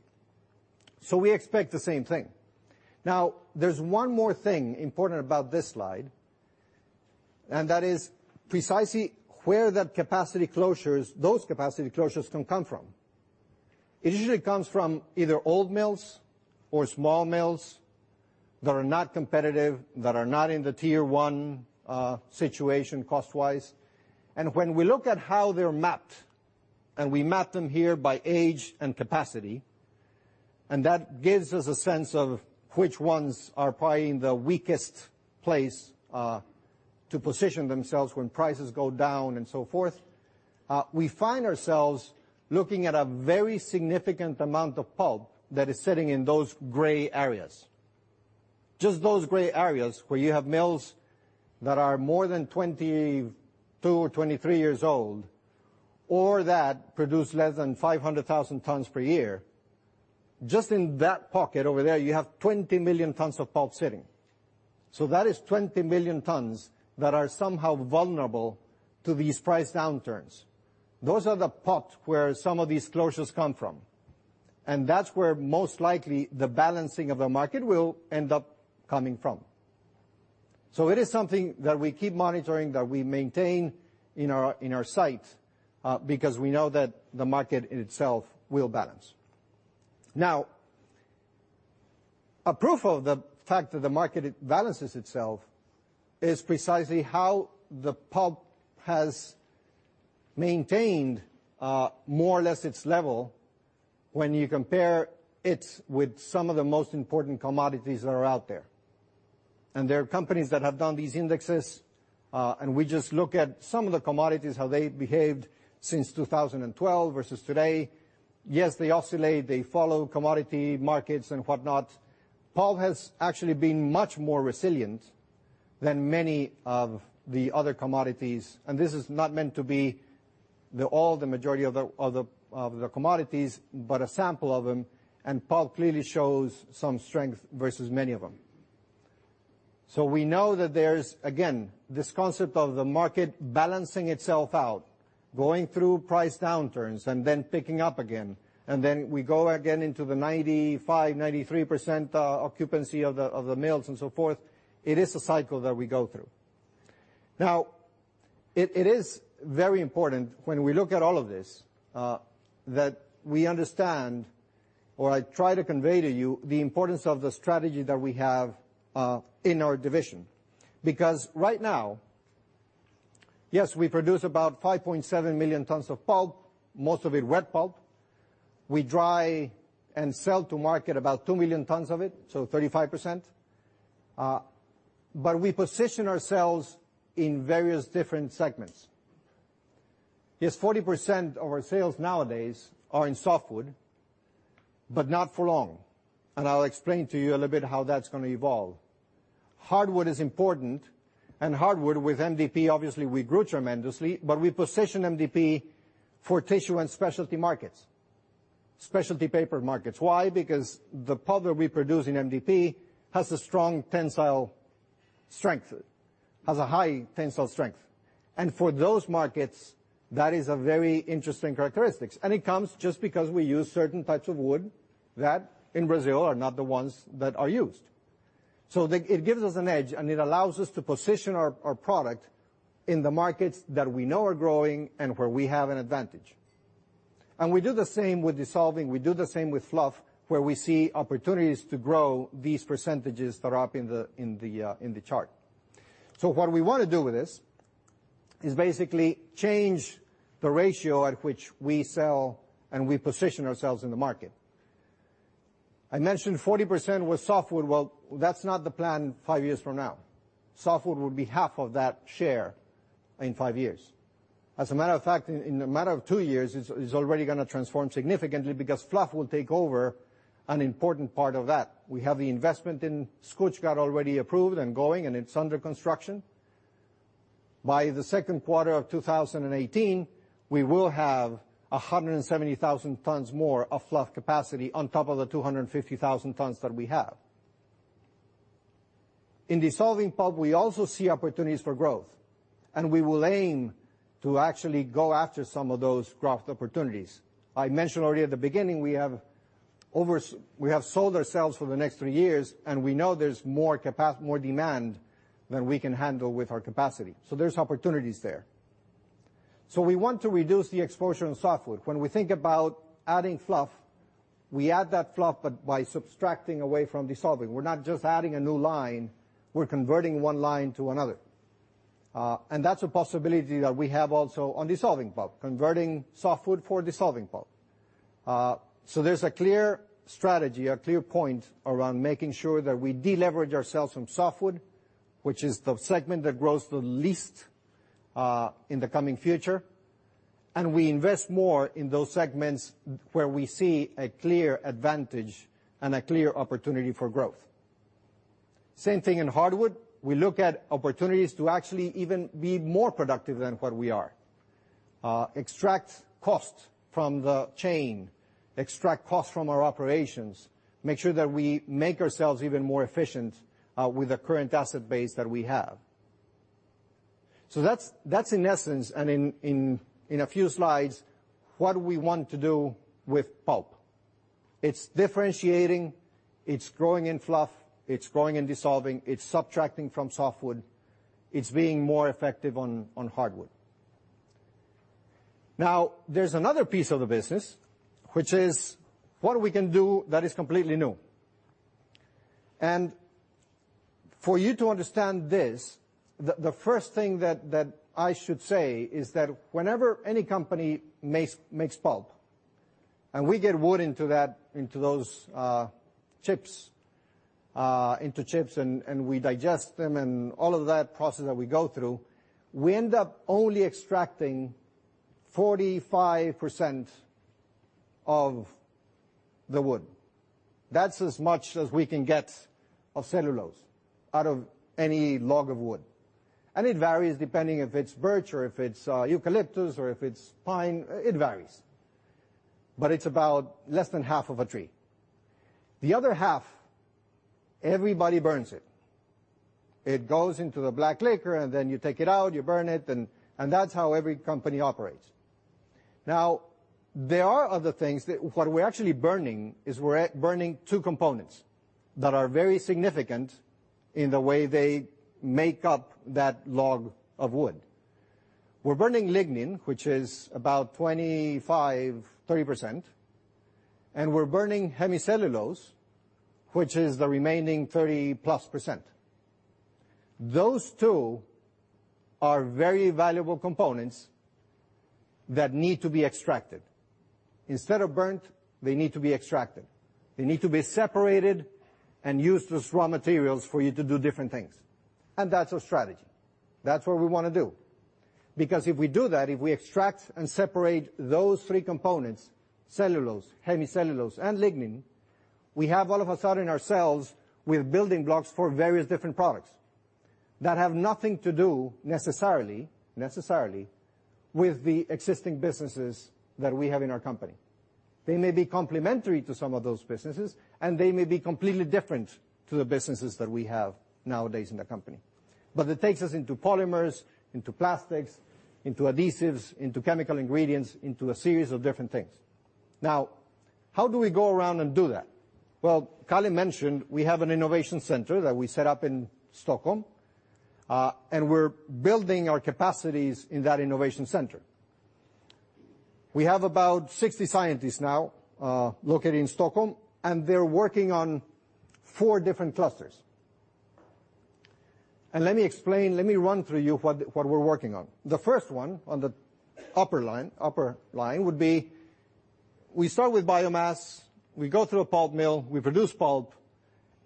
We expect the same thing. There's one more thing important about this slide, and that is precisely where those capacity closures can come from. It usually comes from either old mills or small mills that are not competitive, that are not in the tier 1 situation cost-wise. When we look at how they're mapped, and we map them here by age and capacity, and that gives us a sense of which ones are probably in the weakest place to position themselves when prices go down and so forth. We find ourselves looking at a very significant amount of pulp that is sitting in those gray areas. Just those gray areas where you have mills that are more than 22 or 23 years old or that produce less than 500,000 tons per year. Just in that pocket over there, you have 20 million tons of pulp sitting. That is 20 million tons that are somehow vulnerable to these price downturns. Those are the pots where some of these closures come from, and that's where most likely the balancing of the market will end up coming from. It is something that we keep monitoring, that we maintain in our sight, because we know that the market in itself will balance. Now, a proof of the fact that the market balances itself is precisely how the pulp has maintained more or less its level when you compare it with some of the most important commodities that are out there. There are companies that have done these indexes, and we just look at some of the commodities, how they behaved since 2012 versus today. Yes, they oscillate, they follow commodity markets and whatnot. Pulp has actually been much more resilient than many of the other commodities. This is not meant to be all the majority of the commodities, but a sample of them, and pulp clearly shows some strength versus many of them. We know that there's, again, this concept of the market balancing itself out, going through price downturns and then picking up again, and then we go again into the 95%, 93% occupancy of the mills and so forth. It is a cycle that we go through. Now, it is very important when we look at all of this, that we understand or I try to convey to you the importance of the strategy that we have in our division. Because right now, yes, we produce about 5.7 million tons of pulp, most of it wet pulp. We dry and sell to market about 2 million tons of it, so 35%. But we position ourselves in various different segments. Yes, 40% of our sales nowadays are in softwood, but not for long. I'll explain to you a little bit how that's gonna evolve. Hardwood is important, and hardwood with MDP, obviously, we grew tremendously, but we position MDP for tissue and specialty markets, specialty paper markets. Why? Because the pulp that we produce in MDP has a strong tensile strength, has a high tensile strength. For those markets, that is a very interesting characteristics. It comes just because we use certain types of wood that in Brazil are not the ones that are used. It gives us an edge, and it allows us to position our product in the markets that we know are growing and where we have an advantage. We do the same with dissolving, we do the same with fluff, where we see opportunities to grow these percentages that are up in the chart. What we want to do with this is basically change the ratio at which we sell and we position ourselves in the market. I mentioned 40% was softwood. Well, that's not the plan five years from now. Softwood will be half of that share in five years. As a matter of fact, in a matter of two years, it's already going to transform significantly because fluff will take over an important part of that. We have the investment in Skutskär got already approved and going, and it's under construction. By the second quarter of 2018, we will have 170,000 tons more of fluff capacity on top of the 250,000 tons that we have. In dissolving pulp, we also see opportunities for growth. We will aim to actually go after some of those growth opportunities. I mentioned already at the beginning, we have sold ourselves for the next three years. We know there's more demand than we can handle with our capacity. There's opportunities there. We want to reduce the exposure in softwood. When we think about adding fluff, we add that fluff but by subtracting away from dissolving. We're not just adding a new line, we're converting one line to another. That's a possibility that we have also on dissolving pulp, converting softwood for dissolving pulp. There's a clear strategy, a clear point around making sure that we de-leverage ourselves from softwood, which is the segment that grows the least in the coming future. We invest more in those segments where we see a clear advantage and a clear opportunity for growth. Same thing in hardwood. We look at opportunities to actually even be more productive than what we are. Extract cost from the chain, extract cost from our operations, make sure that we make ourselves even more efficient with the current asset base that we have. That's in essence, and in a few slides, what we want to do with pulp. It's differentiating, it's growing in fluff, it's growing in dissolving, it's subtracting from softwood. It's being more effective on hardwood. There's another piece of the business, which is what we can do that is completely new. For you to understand this, the first thing that I should say is that whenever any company makes pulp, we get wood into those chips, into chips, we digest them and all of that process that we go through, we end up only extracting 45% of the wood. That's as much as we can get of cellulose out of any log of wood. It varies depending if it's birch or if it's eucalyptus or if it's pine. It varies. It's about less than half of a tree. The other half, everybody burns it. It goes into the black liquor. Then you take it out, you burn it, and that's how every company operates. There are other things that what we're actually burning is we're burning two components that are very significant in the way they make up that log of wood. We're burning lignin, which is about 25%-30%, and we're burning hemicellulose, which is the remaining 30-plus %. Those two are very valuable components that need to be extracted. Instead of burnt, they need to be extracted. They need to be separated and used as raw materials for you to do different things. That's our strategy. That's what we want to do. If we do that, if we extract and separate those three components, cellulose, hemicellulose, and lignin, we have all of a sudden ourselves with building blocks for various different products that have nothing to do necessarily, with the existing businesses that we have in our company. They may be complementary to some of those businesses, and they may be completely different to the businesses that we have nowadays in the company. It takes us into polymers, into plastics, into adhesives, into chemical ingredients, into a series of different things. How do we go around and do that? Kalle mentioned we have an innovation center that we set up in Stockholm, and we're building our capacities in that innovation center. We have about 60 scientists now located in Stockholm, and they're working on four different clusters. Let me explain, let me run through you what we're working on. The first one on the upper line would be we start with biomass, we go through a pulp mill, we produce pulp,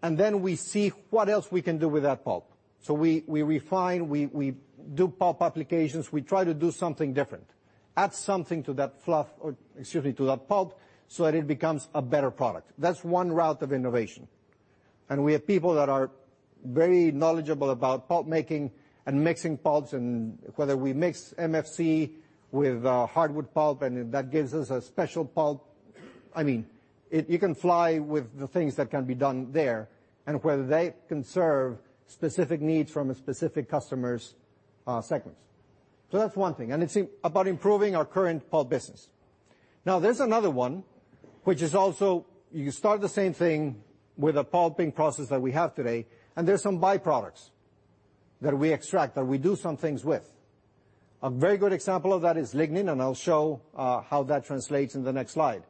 then we see what else we can do with that pulp. We refine, we do pulp applications, we try to do something different, add something to that fluff or, excuse me, to that pulp so that it becomes a better product. That's one route of innovation. We have people that are very knowledgeable about pulp making and mixing pulps and whether we mix MFC with hardwood pulp, and that gives us a special pulp. You can fly with the things that can be done there, and whether they can serve specific needs from a specific customer's segments. That's one thing. It's about improving our current pulp business. There's another one, which is also you start the same thing with a pulping process that we have today, there's some byproducts that we extract, that we do some things with. A very good example of that is lignin, and I'll show how that translates in the next slide.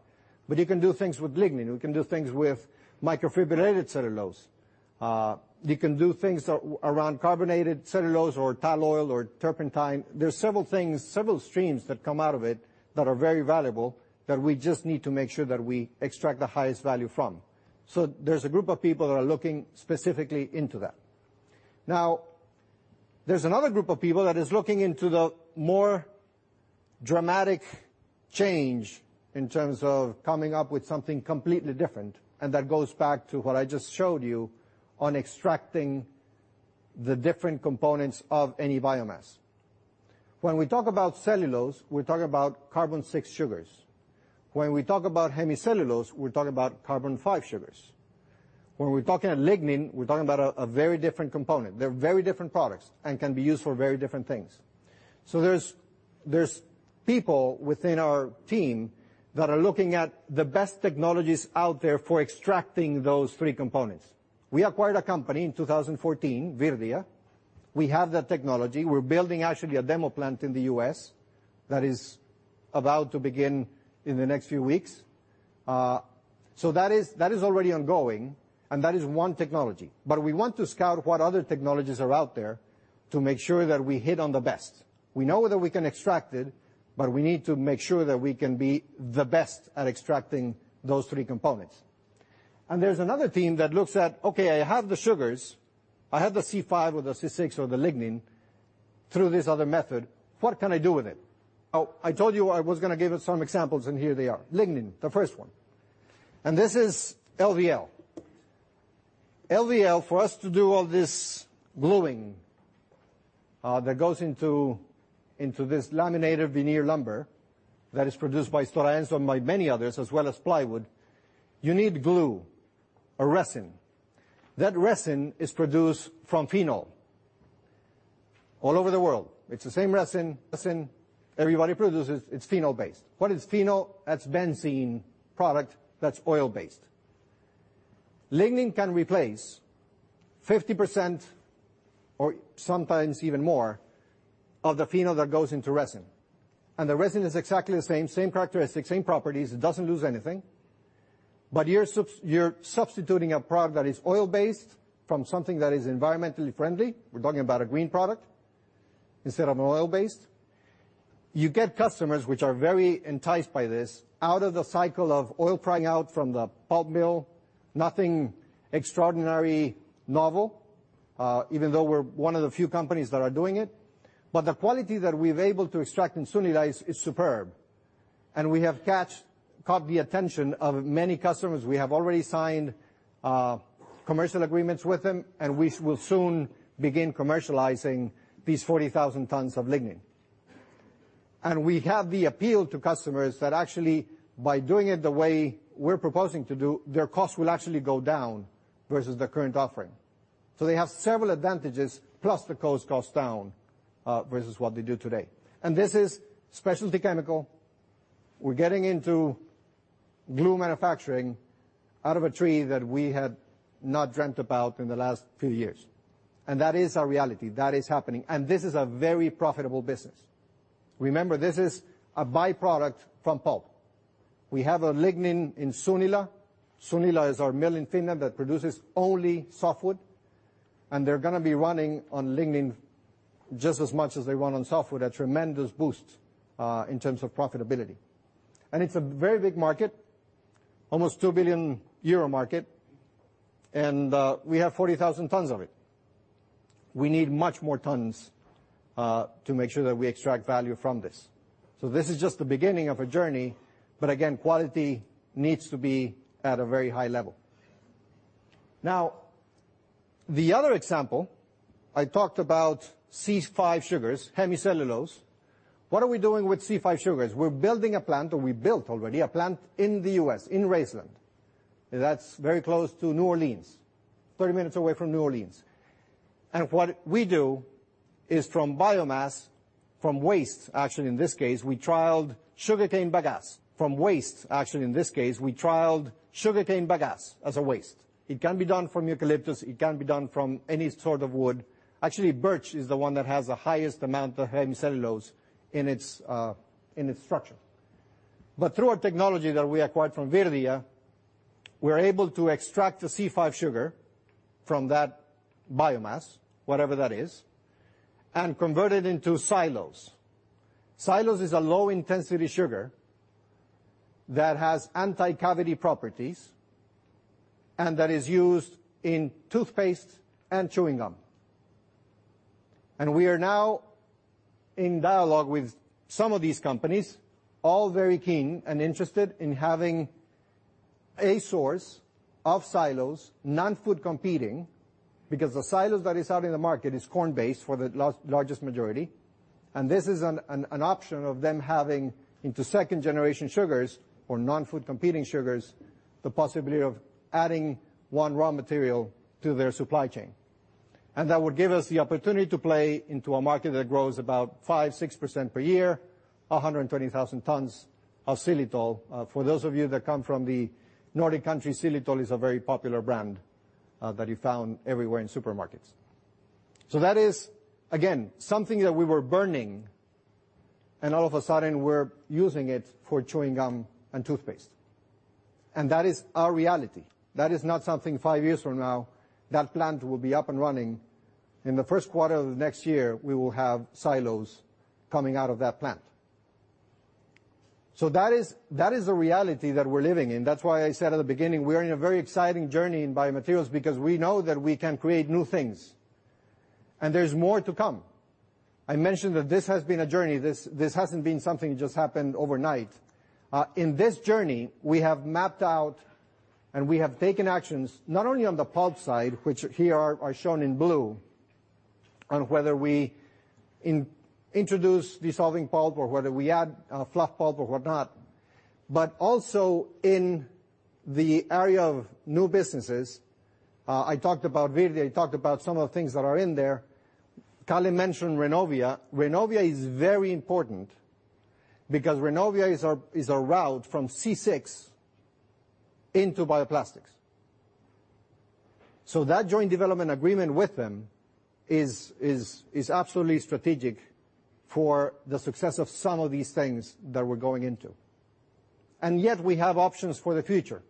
You can do things with lignin. We can do things with microfibrillated cellulose. You can do things around carboxylated cellulose or tall oil or turpentine. There are several things, several streams that come out of it that are very valuable that we just need to make sure that we extract the highest value from. There's a group of people that are looking specifically into that. There's another group of people that is looking into the more dramatic change in terms of coming up with something completely different, that goes back to what I just showed you on extracting the different components of any biomass. When we talk about cellulose, we're talking about carbon 6 sugars. When we talk about hemicellulose, we're talking about carbon 5 sugars. When we're talking about lignin, we're talking about a very different component. They're very different products and can be used for very different things. There's people within our team that are looking at the best technologies out there for extracting those three components. We acquired a company in 2014, Virdia. We have that technology. We're building actually a demo plant in the U.S. that is about to begin in the next few weeks. That is already ongoing, and that is one technology. We want to scout what other technologies are out there to make sure that we hit on the best. We know that we can extract it, but we need to make sure that we can be the best at extracting those three components. And there's another team that looks at, okay, I have the sugars, I have the C5 or the C6 or the lignin through this other method. What can I do with it? Oh, I told you I was going to give some examples, and here they are. Lignin, the first one. And this is LVL. LVL, for us to do all this gluing that goes into this laminated veneer lumber that is produced by Stora Enso, among many others, as well as plywood, you need glue or resin. That resin is produced from phenol all over the world. It's the same resin everybody produces. It's phenol-based. What is phenol? That's benzene product that's oil-based. Lignin can replace 50%, or sometimes even more, of the phenol that goes into resin. You're substituting a product that is oil-based from something that is environmentally friendly. We're talking about a green product instead of an oil-based. You get customers, which are very enticed by this, out of the cycle of oil [prying] out from the pulp mill. Nothing extraordinary novel, even though we're one of the few companies that are doing it. The quality that we're able to extract in Sunila is superb, and we have caught the attention of many customers. We have already signed commercial agreements with them, and we will soon begin commercializing these 40,000 tons of lignin. We have the appeal to customers that actually by doing it the way we're proposing to do, their costs will actually go down versus the current offering. They have several advantages, plus the cost goes down, versus what they do today. This is specialty chemical. We're getting into glue manufacturing out of a tree that we had not dreamt about in the last few years. And that is our reality. That is happening. And this is a very profitable business. Remember, this is a byproduct from pulp. We have lignin in Sunila. Sunila is our mill in Finland that produces only softwood, and they're going to be running on lignin just as much as they run on softwood. A tremendous boost in terms of profitability. It's a very big market, almost 2 billion euro market, and we have 40,000 tons of it. This is just the beginning of a journey, but again, quality needs to be at a very high level. The other example, I talked about C5 sugars, hemicellulose. What are we doing with C5 sugars? We're building a plant, or we built already a plant in the U.S., in Raceland. That's very close to New Orleans, 30 minutes away from New Orleans. What we do is from biomass, from waste, actually, in this case, we trialed sugarcane bagasse. From waste, actually, in this case, we trialed sugarcane bagasse as a waste. It can be done from eucalyptus. It can be done from any sort of wood. Actually, birch is the one that has the highest amount of hemicellulose in its structure. Through our technology that we acquired from Virdia, we're able to extract the C5 sugar from that biomass, whatever that is, and convert it into xylose. Xylose is a low-intensity sugar that has anti-cavity properties and that is used in toothpaste and chewing gum. We are now in dialogue with some of these companies, all very keen and interested in having a source of xylose, non-food competing, because the xylose that is out in the market is corn-based for the largest majority. This is an option of them having into second-generation sugars or non-food competing sugars, the possibility of adding one raw material to their supply chain. That would give us the opportunity to play into a market that grows about 5%-6% per year, 120,000 tons of xylitol. For those of you that come from the Nordic countries, xylitol is a very popular brand that you found everywhere in supermarkets. That is, again, something that we were burning, and all of a sudden, we're using it for chewing gum and toothpaste. That is our reality. That is not something 5 years from now. That plant will be up and running. In the first quarter of next year, we will have xylose coming out of that plant. That is the reality that we're living in. That's why I said at the beginning, we are in a very exciting journey in biomaterials because we know that we can create new things, and there's more to come. I mentioned that this has been a journey. This hasn't been something that just happened overnight. In this journey, we have mapped out and we have taken actions, not only on the pulp side, which here are shown in blue, on whether we introduce dissolving pulp or whether we add fluff pulp or whatnot, but also in the area of new businesses. I talked about Virdia. I talked about some of the things that are in there. Kalle mentioned Rennovia. Rennovia is very important because Rennovia is a route from C6 into bioplastics. That joint development agreement with them is absolutely strategic for the success of some of these things that we're going into. Yet we have options for the future.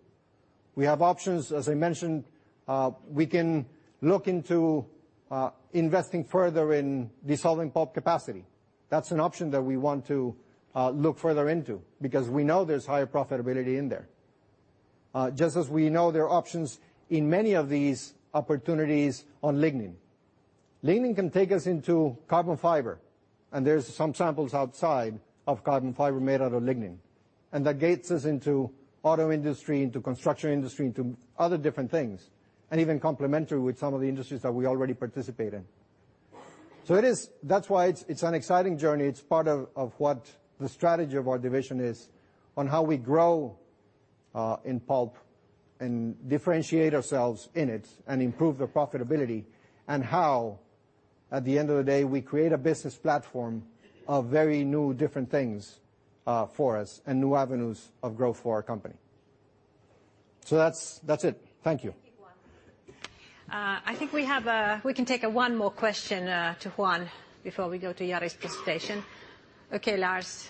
We have options, as I mentioned, we can look into investing further in dissolving pulp capacity. That's an option that we want to look further into because we know there's higher profitability in there. Just as we know there are options in many of these opportunities on lignin. Lignin can take us into carbon fiber, and there's some samples outside of carbon fiber made out of lignin. That gates us into auto industry, into construction industry, into other different things, and even complementary with some of the industries that we already participate in. That's why it's an exciting journey. It's part of what the strategy of our division is on how we grow in pulp and differentiate ourselves in it and improve the profitability, and how at the end of the day, we create a business platform of very new, different things for us and new avenues of growth for our company. That's it. Thank you.
Thank you, Juan. I think we can take one more question to Juan before we go to Jari's presentation. Okay, Lars.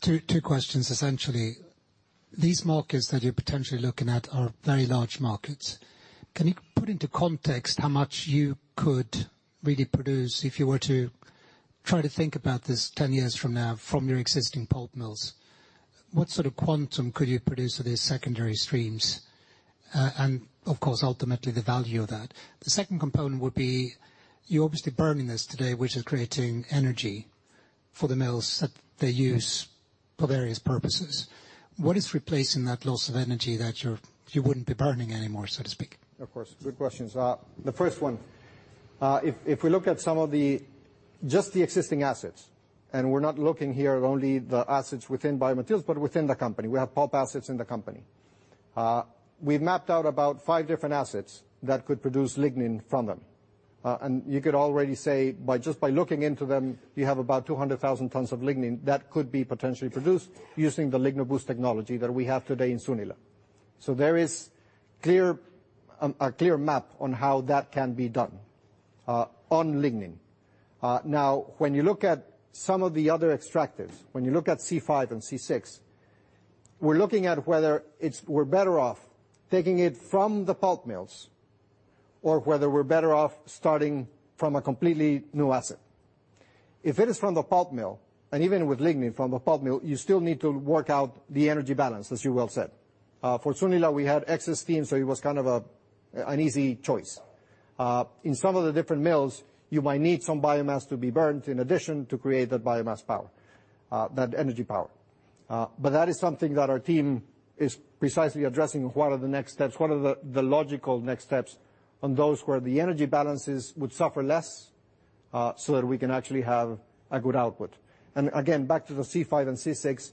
Two questions essentially. These markets that you're potentially looking at are very large markets. Can you put into context how much you could really produce if you were to try to think about this 10 years from now from your existing pulp mills? What sort of quantum could you produce for these secondary streams? Of course, ultimately the value of that. The second component would be, you're obviously burning this today, which is creating energy for the mills that they use for various purposes. What is replacing that loss of energy that you wouldn't be burning anymore, so to speak?
Of course. Good questions. The first one, if we look at just the existing assets, and we're not looking here at only the assets within biomaterials, but within the company. We have pulp assets in the company. We've mapped out about five different assets that could produce lignin from them. You could already say, just by looking into them, you have about 200,000 tons of lignin that could be potentially produced using the LignoBoost technology that we have today in Sunila. There is a clear map on how that can be done on lignin. Now, when you look at some of the other extractives, when you look at C5 and C6, we're looking at whether we're better off taking it from the pulp mills or whether we're better off starting from a completely new asset. If it is from the pulp mill, and even with lignin from the pulp mill, you still need to work out the energy balance, as you well said. For Sunila, we had excess steam, so it was kind of an easy choice. In some of the different mills, you might need some biomass to be burnt in addition to create that biomass power, that energy power. That is something that our team is precisely addressing. What are the next steps? What are the logical next steps on those where the energy balances would suffer less, so that we can actually have a good output. Again, back to the C5 and C6,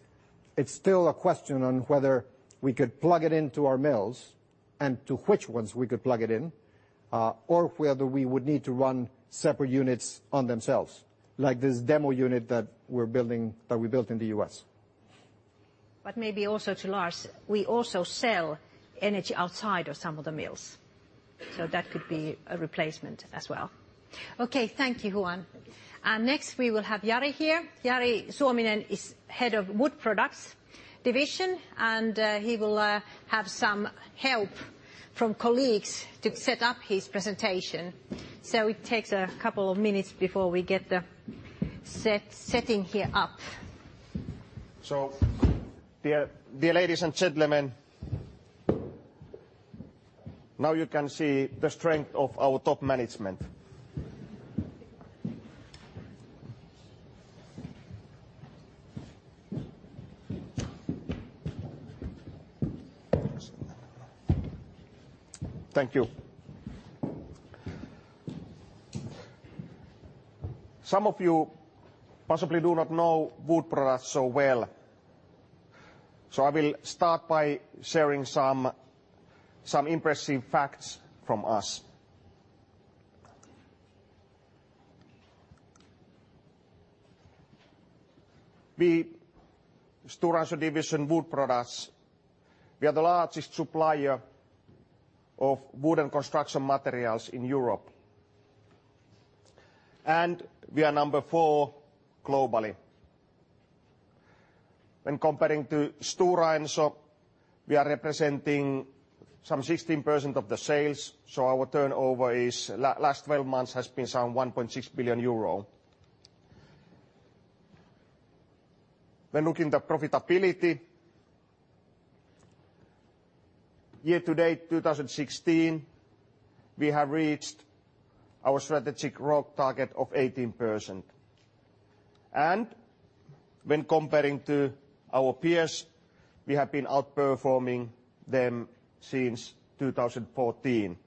it's still a question on whether we could plug it into our mills and to which ones we could plug it in, or whether we would need to run separate units on themselves, like this demo unit that we built in the U.S.
Maybe also to Lars, we also sell energy outside of some of the mills, so that could be a replacement as well. Okay, thank you, Juan. Next we will have Jari here. Jari Suominen is head of Wood Products division, and he will have some help from colleagues to set up his presentation. It takes a couple of minutes before we get the setting here up.
Dear ladies and gentlemen, now you can see the strength of our top management. Thank you. Some of you possibly do not know Wood Products so well, so I will start by sharing some impressive facts from us. We, Stora Enso Wood Products division, we are the largest supplier of wood and construction materials in Europe. We are number 4 globally. When comparing to Stora Enso, we are representing some 16% of the sales, so our turnover last 12 months has been some 1.6 billion euro. When looking at the profitability, year to date 2016, we have reached our strategic growth target of 18%. When comparing to our peers, we have been outperforming them since 2014.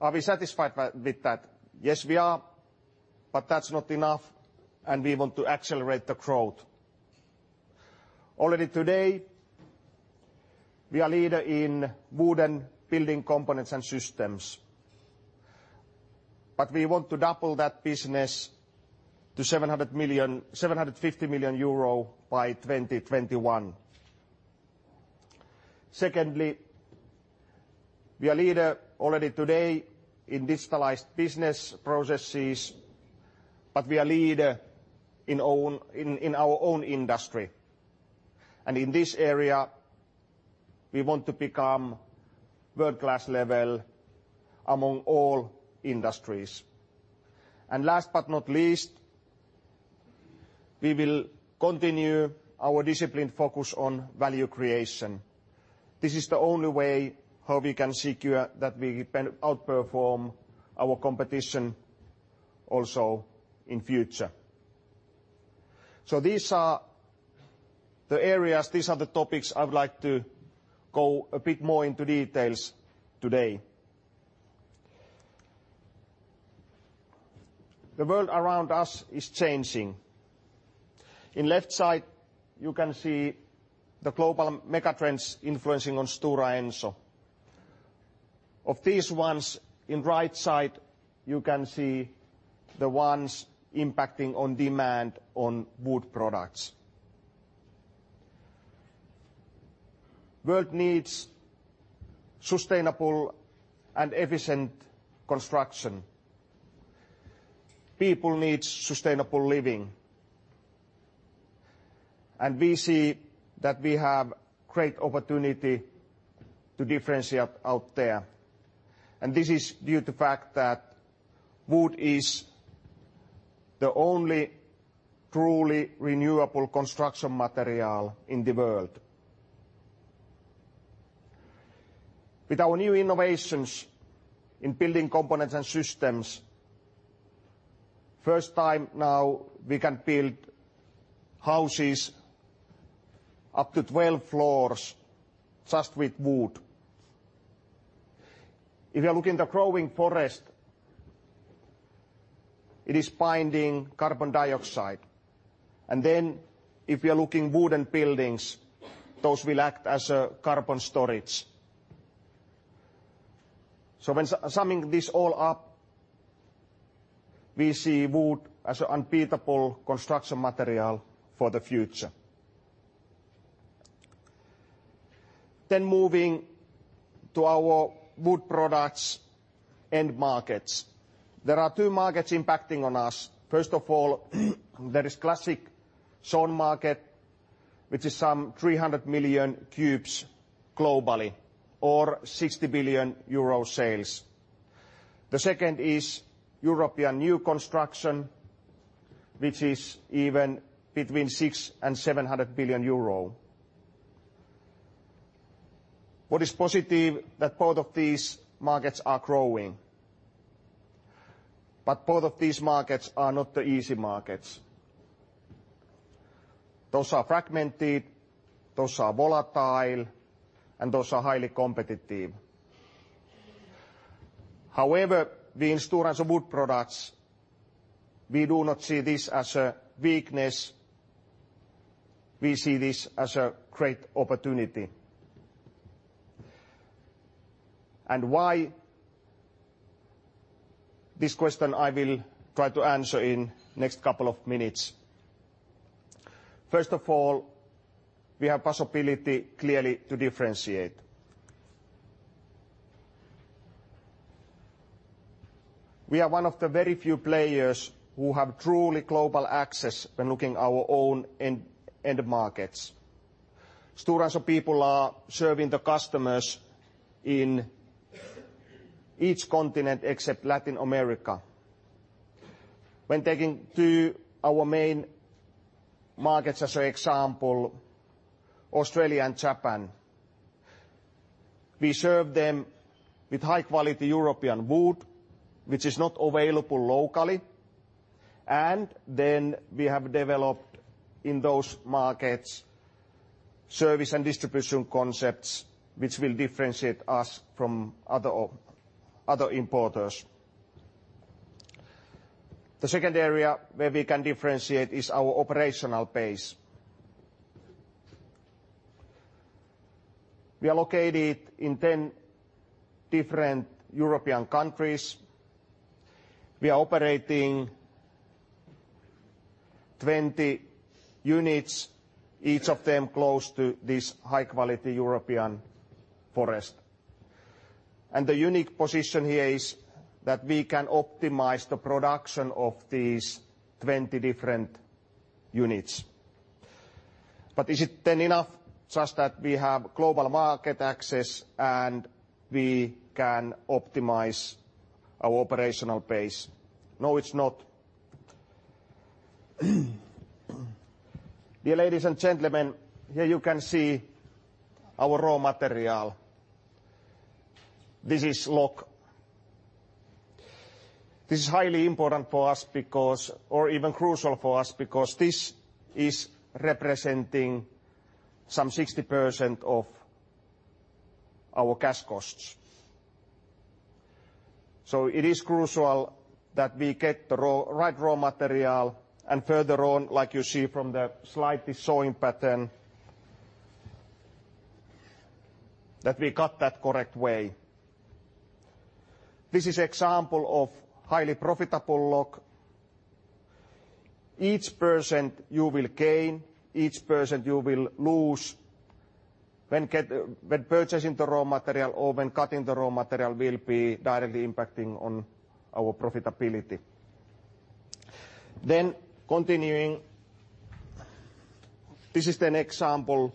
Are we satisfied with that? Yes, we are, but that's not enough, and we want to accelerate the growth. Already today, we are leader in wooden building components and systems. We want to double that business to 750 million euro by 2021. Secondly, we are leader already today in digitalized business processes, but we are leader in our own industry. In this area, we want to become world-class level among all industries. Last but not least, we will continue our disciplined focus on value creation. This is the only way how we can secure that we can outperform our competition also in future. These are the areas, these are the topics I would like to go a bit more into details today. The world around us is changing. In left side, you can see the global megatrends influencing on Stora Enso. Of these ones, in right side, you can see the ones impacting on demand on Wood Products. World needs sustainable and efficient construction. People need sustainable living. We see that we have great opportunity to differentiate out there. This is due to fact that wood is the only truly renewable construction material in the world. With our new innovations in building components and systems, first time now we can build houses up to 12 floors just with wood. If you are looking the growing forest, it is binding carbon dioxide. If you are looking wooden buildings, those will act as a carbon storage. When summing this all up, we see wood as an unbeatable construction material for the future. Moving to our wood products end markets. There are two markets impacting on us. First of all, there is classic sawn market, which is some 300 million cubes globally, or 60 billion euro sales. The second is European new construction, which is even between 600 billion-700 billion euro. What is positive that both of these markets are growing. Both of these markets are not the easy markets. Those are fragmented, those are volatile, and those are highly competitive. However, we in Stora Enso Wood Products, we do not see this as a weakness, we see this as a great opportunity. Why? This question I will try to answer in next couple of minutes. First of all, we have possibility, clearly, to differentiate. We are one of the very few players who have truly global access when looking our own end markets. Stora Enso people are serving the customers in each continent except Latin America. When taking two our main markets as a example, Australia and Japan, we serve them with high-quality European wood, which is not available locally, and then we have developed, in those markets, service and distribution concepts which will differentiate us from other importers. The second area where we can differentiate is our operational base. We are located in 10 different European countries. We are operating 20 units, each of them close to this high-quality European forest. The unique position here is that we can optimize the production of these 20 different units. Is it then enough just that we have global market access and we can optimize our operational base? No, it's not. Dear ladies and gentlemen, here you can see our raw material. This is log. This is highly important for us, or even crucial for us, because this is representing some 60% of our cash costs. It is crucial that we get the right raw material and further on, like you see from the slide, this sawing pattern, that we cut that correct way. This is example of highly profitable log. Each person you will gain, each person you will lose, when purchasing the raw material or when cutting the raw material will be directly impacting on our profitability. Continuing, this is an example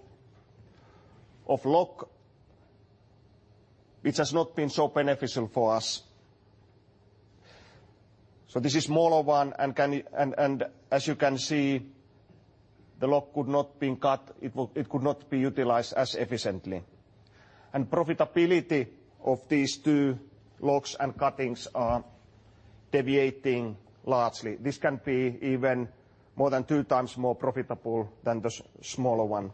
of log which has not been so beneficial for us. This is smaller one and as you can see, the log could not be cut. It could not be utilized as efficiently. Profitability of these two logs and cuttings are deviating largely. This can be even more than two times more profitable than the smaller one.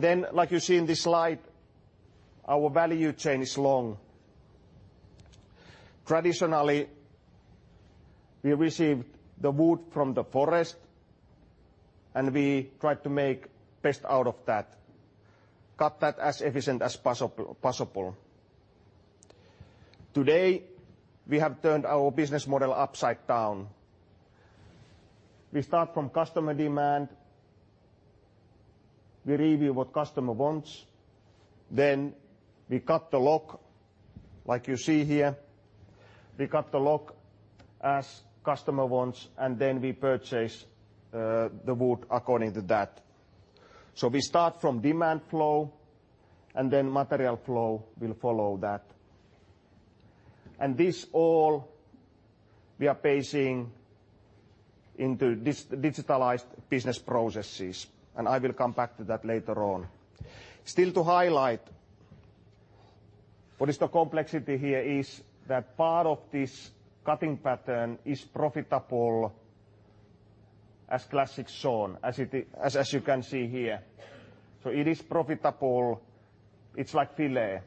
Then, like you see in this slide, our value chain is long. Traditionally, we received the wood from the forest, we tried to make best out of that, cut that as efficient as possible. Today, we have turned our business model upside down. We start from customer demand. We review what customer wants, then we cut the log, like you see here. We cut the log as customer wants, then we purchase the wood according to that. We start from demand flow, then material flow will follow that. This all we are pacing into digitalized business processes, and I will come back to that later on. Still to highlight what is the complexity here is that part of this cutting pattern is profitable as classic sawn, as you can see here. It is profitable, it's like filet.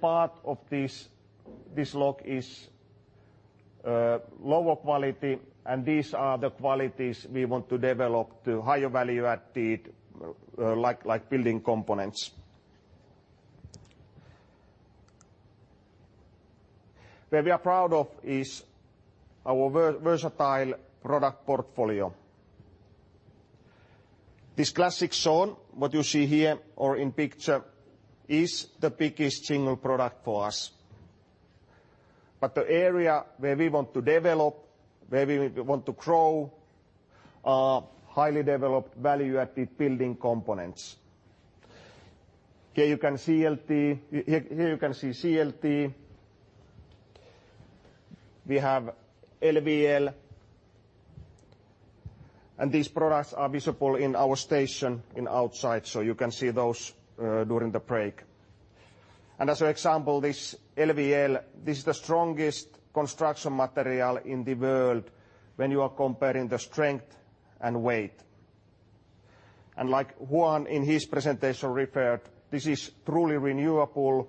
Part of this log is lower quality, and these are the qualities we want to develop to higher value added, like building components. Where we are proud of is our versatile product portfolio. This classic sawn, what you see here or in picture, is the biggest single product for us. The area where we want to develop, where we want to grow, are highly developed value added building components. Here you can see CLT. We have LVL, these products are visible in our station in outside, so you can see those, during the break. As an example, this LVL, this is the strongest construction material in the world when you are comparing the strength and weight. Like Juan in his presentation referred, this is truly renewable.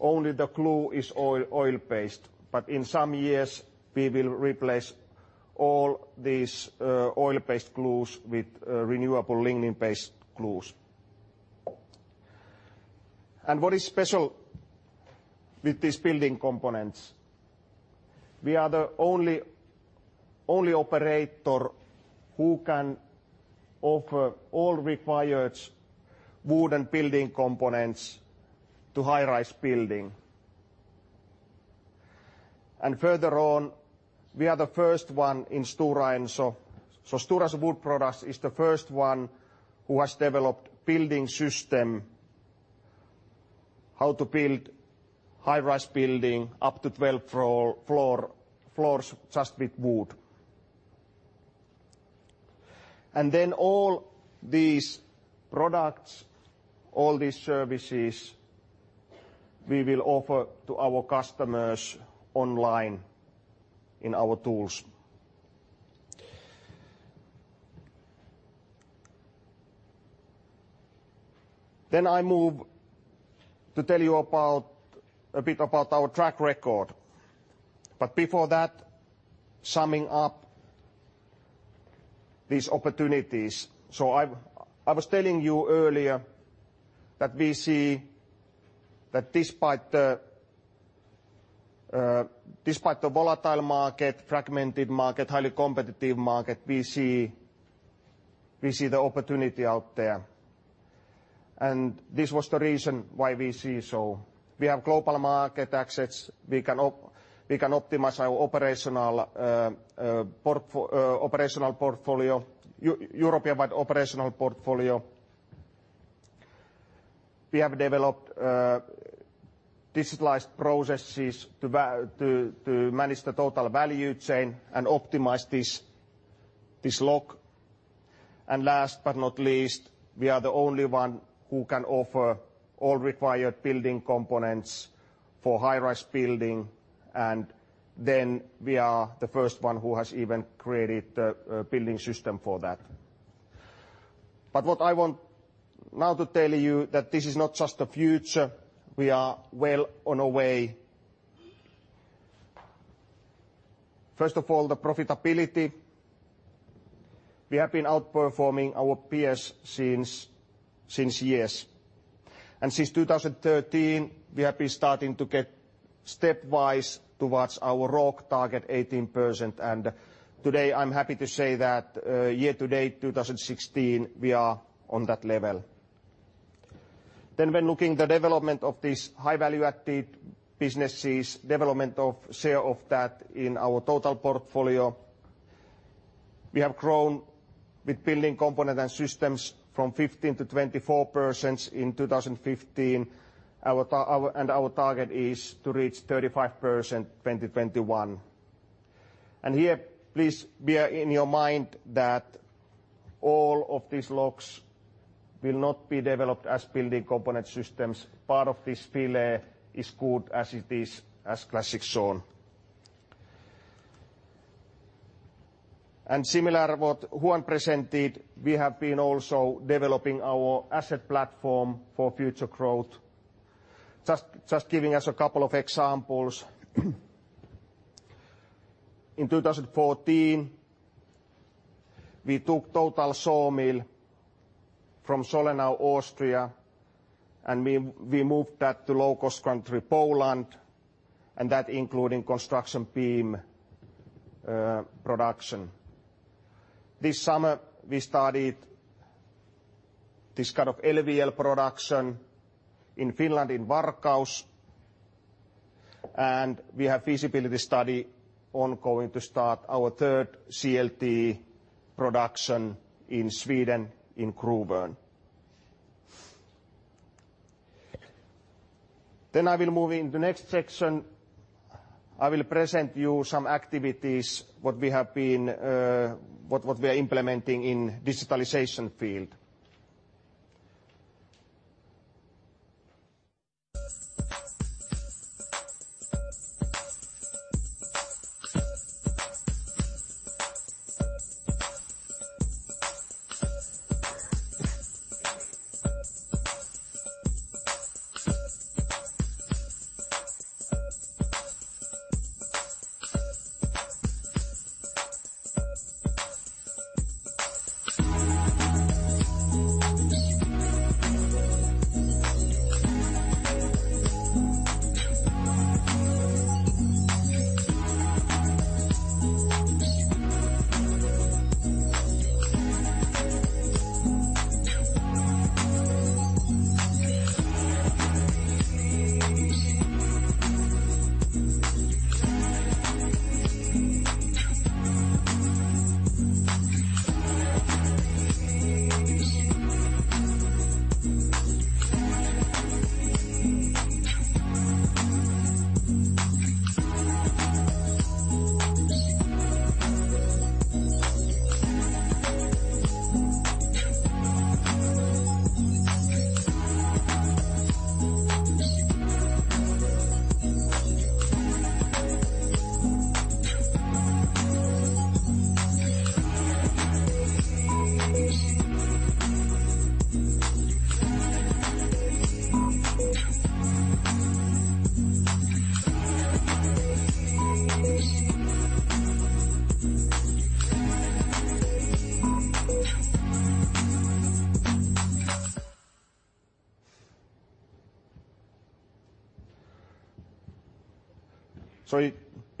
Only the glue is oil-based, in some years, we will replace all these oil-based glues with renewable lignin-based glues. What is special with these building components, we are the only operator who can offer all required wooden building components to high-rise building. Further on, we are the first one in Stora Enso. Stora Enso wood products is the first one who has developed building system, how to build high-rise building up to 12 floors just with wood. All these products, all these services we will offer to our customers online in our tools. I move to tell you a bit about our track record. Before that, summing up these opportunities. I was telling you earlier that we see that despite the volatile market, fragmented market, highly competitive market, we see the opportunity out there. This was the reason why we see so. We have global market access. We can optimize our operational portfolio, European-wide operational portfolio. We have developed digitalized processes to manage the total value chain and optimize this log. Last but not least, we are the only one who can offer all required building components for high-rise building, we are the first one who has even created a building system for that. What I want now to tell you that this is not just the future, we are well on our way. First of all, the profitability. We have been outperforming our peers since years. Since 2013, we have been starting to get stepwise towards our ROCE target 18%, and today I'm happy to say that year to date 2016, we are on that level. When looking the development of these high-value added businesses, development of sale of that in our total portfolio, we have grown with building component and systems from 15% to 24% in 2015. Our target is to reach 35% 2021. Here, please bear in your mind that all of these logs will not be developed as building component systems. Part of this timber is good as it is, as classic sawn. Similar what Juan presented, we have been also developing our asset platform for future growth. Just giving us a couple of examples. In 2014, we took total saw mill from Sollenau, Austria, and we moved that to low-cost country, Poland, and that including construction beam production. This summer we started this kind of LVL production in Finland in Varkaus, and we have feasibility study ongoing to start our third CLT production in Sweden in Gruvön. I will move into next section. I will present you some activities, what we are implementing in digitalization field.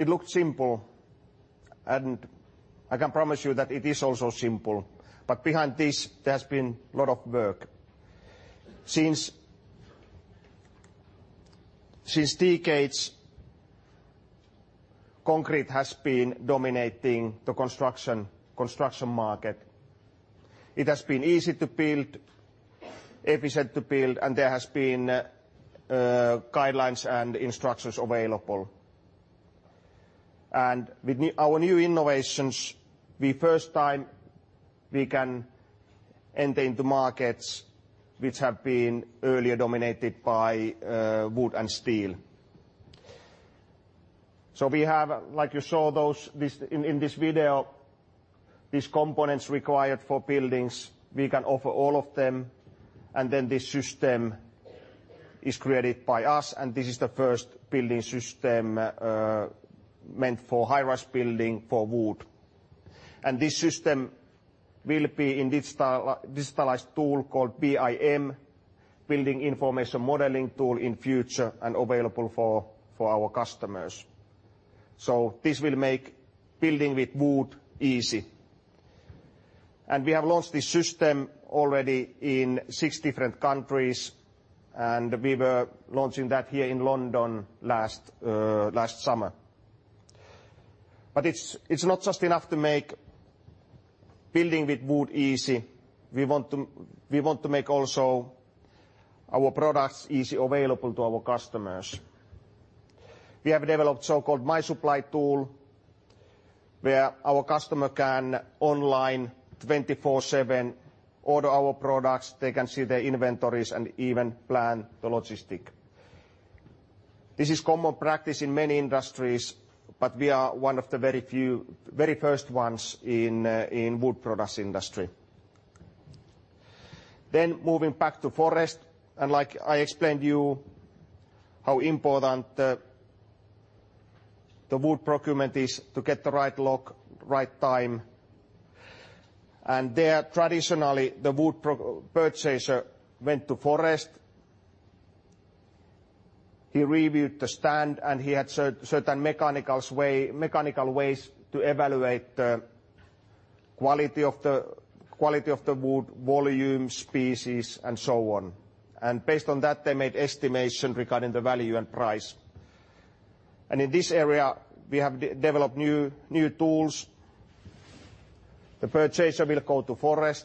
It looked simple, and I can promise you that it is also simple. Behind this there's been a lot of work. For decades, concrete has been dominating the construction market. It has been easy to build, efficient to build, and there has been guidelines and instructions available. With our new innovations, we first time we can enter into markets which have been earlier dominated by wood and steel. We have, like you saw in this video, these components required for buildings, we can offer all of them, and then this system is created by us, and this is the first building system meant for high-rise building for wood. This system will be in digitalized tool called BIM, Building Information Modeling tool in future and available for our customers. This will make building with wood easy. We have launched this system already in six different countries, and we were launching that here in London last summer. It's not just enough to make building with wood easy. We want to make also our products easily available to our customers. We have developed so-called MySupply tool, where our customer can online 24/7 order our products, they can see their inventories and even plan the logistics. This is common practice in many industries, but we are one of the very first ones in wood products industry. Moving back to forest, like I explained you how important the wood procurement is to get the right log, right time. There traditionally, the wood purchaser went to forest. He reviewed the stand, he had certain mechanical ways to evaluate the quality of the wood, volume, species and so on. Based on that, they made estimation regarding the value and price. In this area, we have developed new tools. The purchaser will go to forest.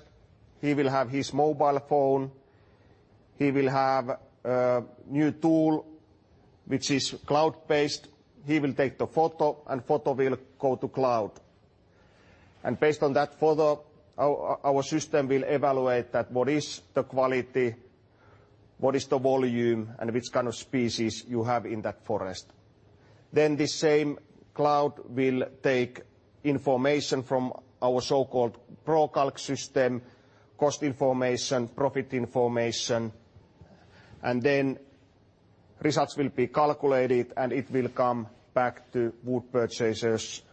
He will have his mobile phone. He will have a new tool, which is cloud-based. He will take the photo will go to cloud. Based on that photo, our system will evaluate that what is the quality, what is the volume, and which kind of species you have in that forest. The same cloud will take information from our so-called ProCalc system, cost information, profit information, and results will be calculated, and it will come back to wood purchaser's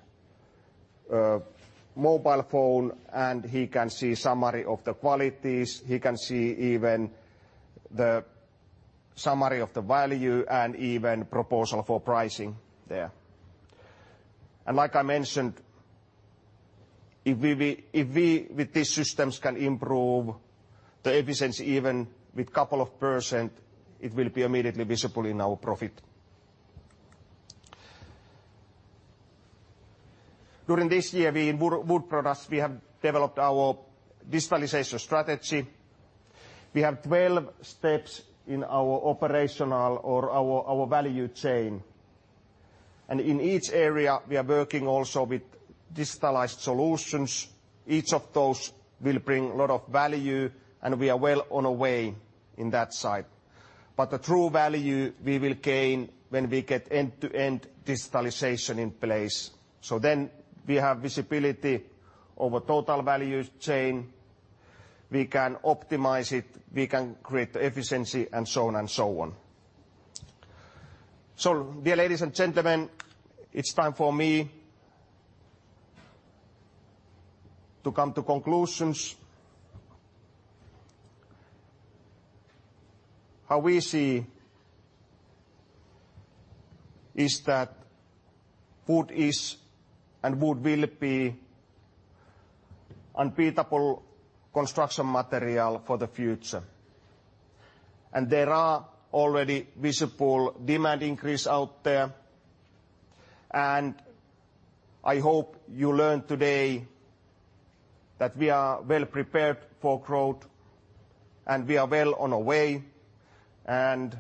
mobile phone, and he can see summary of the qualities, he can see even the summary of the value and even proposal for pricing there. Like I mentioned, if we with these systems can improve the efficiency even with couple of percent, it will be immediately visible in our profit. During this year in wood products, we have developed our digitalization strategy. We have 12 steps in our operational or our value chain. In each area, we are working also with digitalized solutions. Each of those will bring a lot of value, and we are well on our way in that side. The true value we will gain when we get end-to-end digitalization in place. We have visibility over total value chain. We can optimize it, we can create efficiency and so on and so on. Dear ladies and gentlemen, it's time for me to come to conclusions. How we see is that wood is and wood will be unbeatable construction material for the future. There are already visible demand increase out there. I hope you learned today that we are well prepared for growth, and we are well on our way, and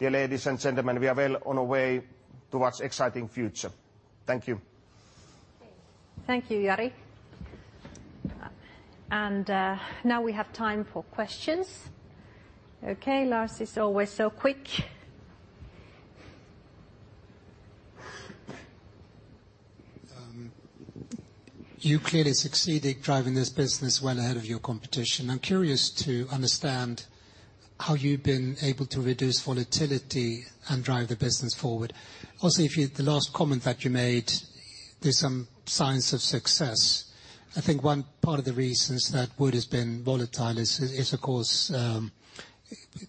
dear ladies and gentlemen, we are well on our way towards exciting future. Thank you.
Thank you, Jari. Now we have time for questions. Okay, Lars is always so quick.
You clearly succeeded driving this business well ahead of your competition. I'm curious to understand how you've been able to reduce volatility and drive the business forward. Also, the last comment that you made, there's some signs of success. I think one part of the reasons that wood has been volatile is of course,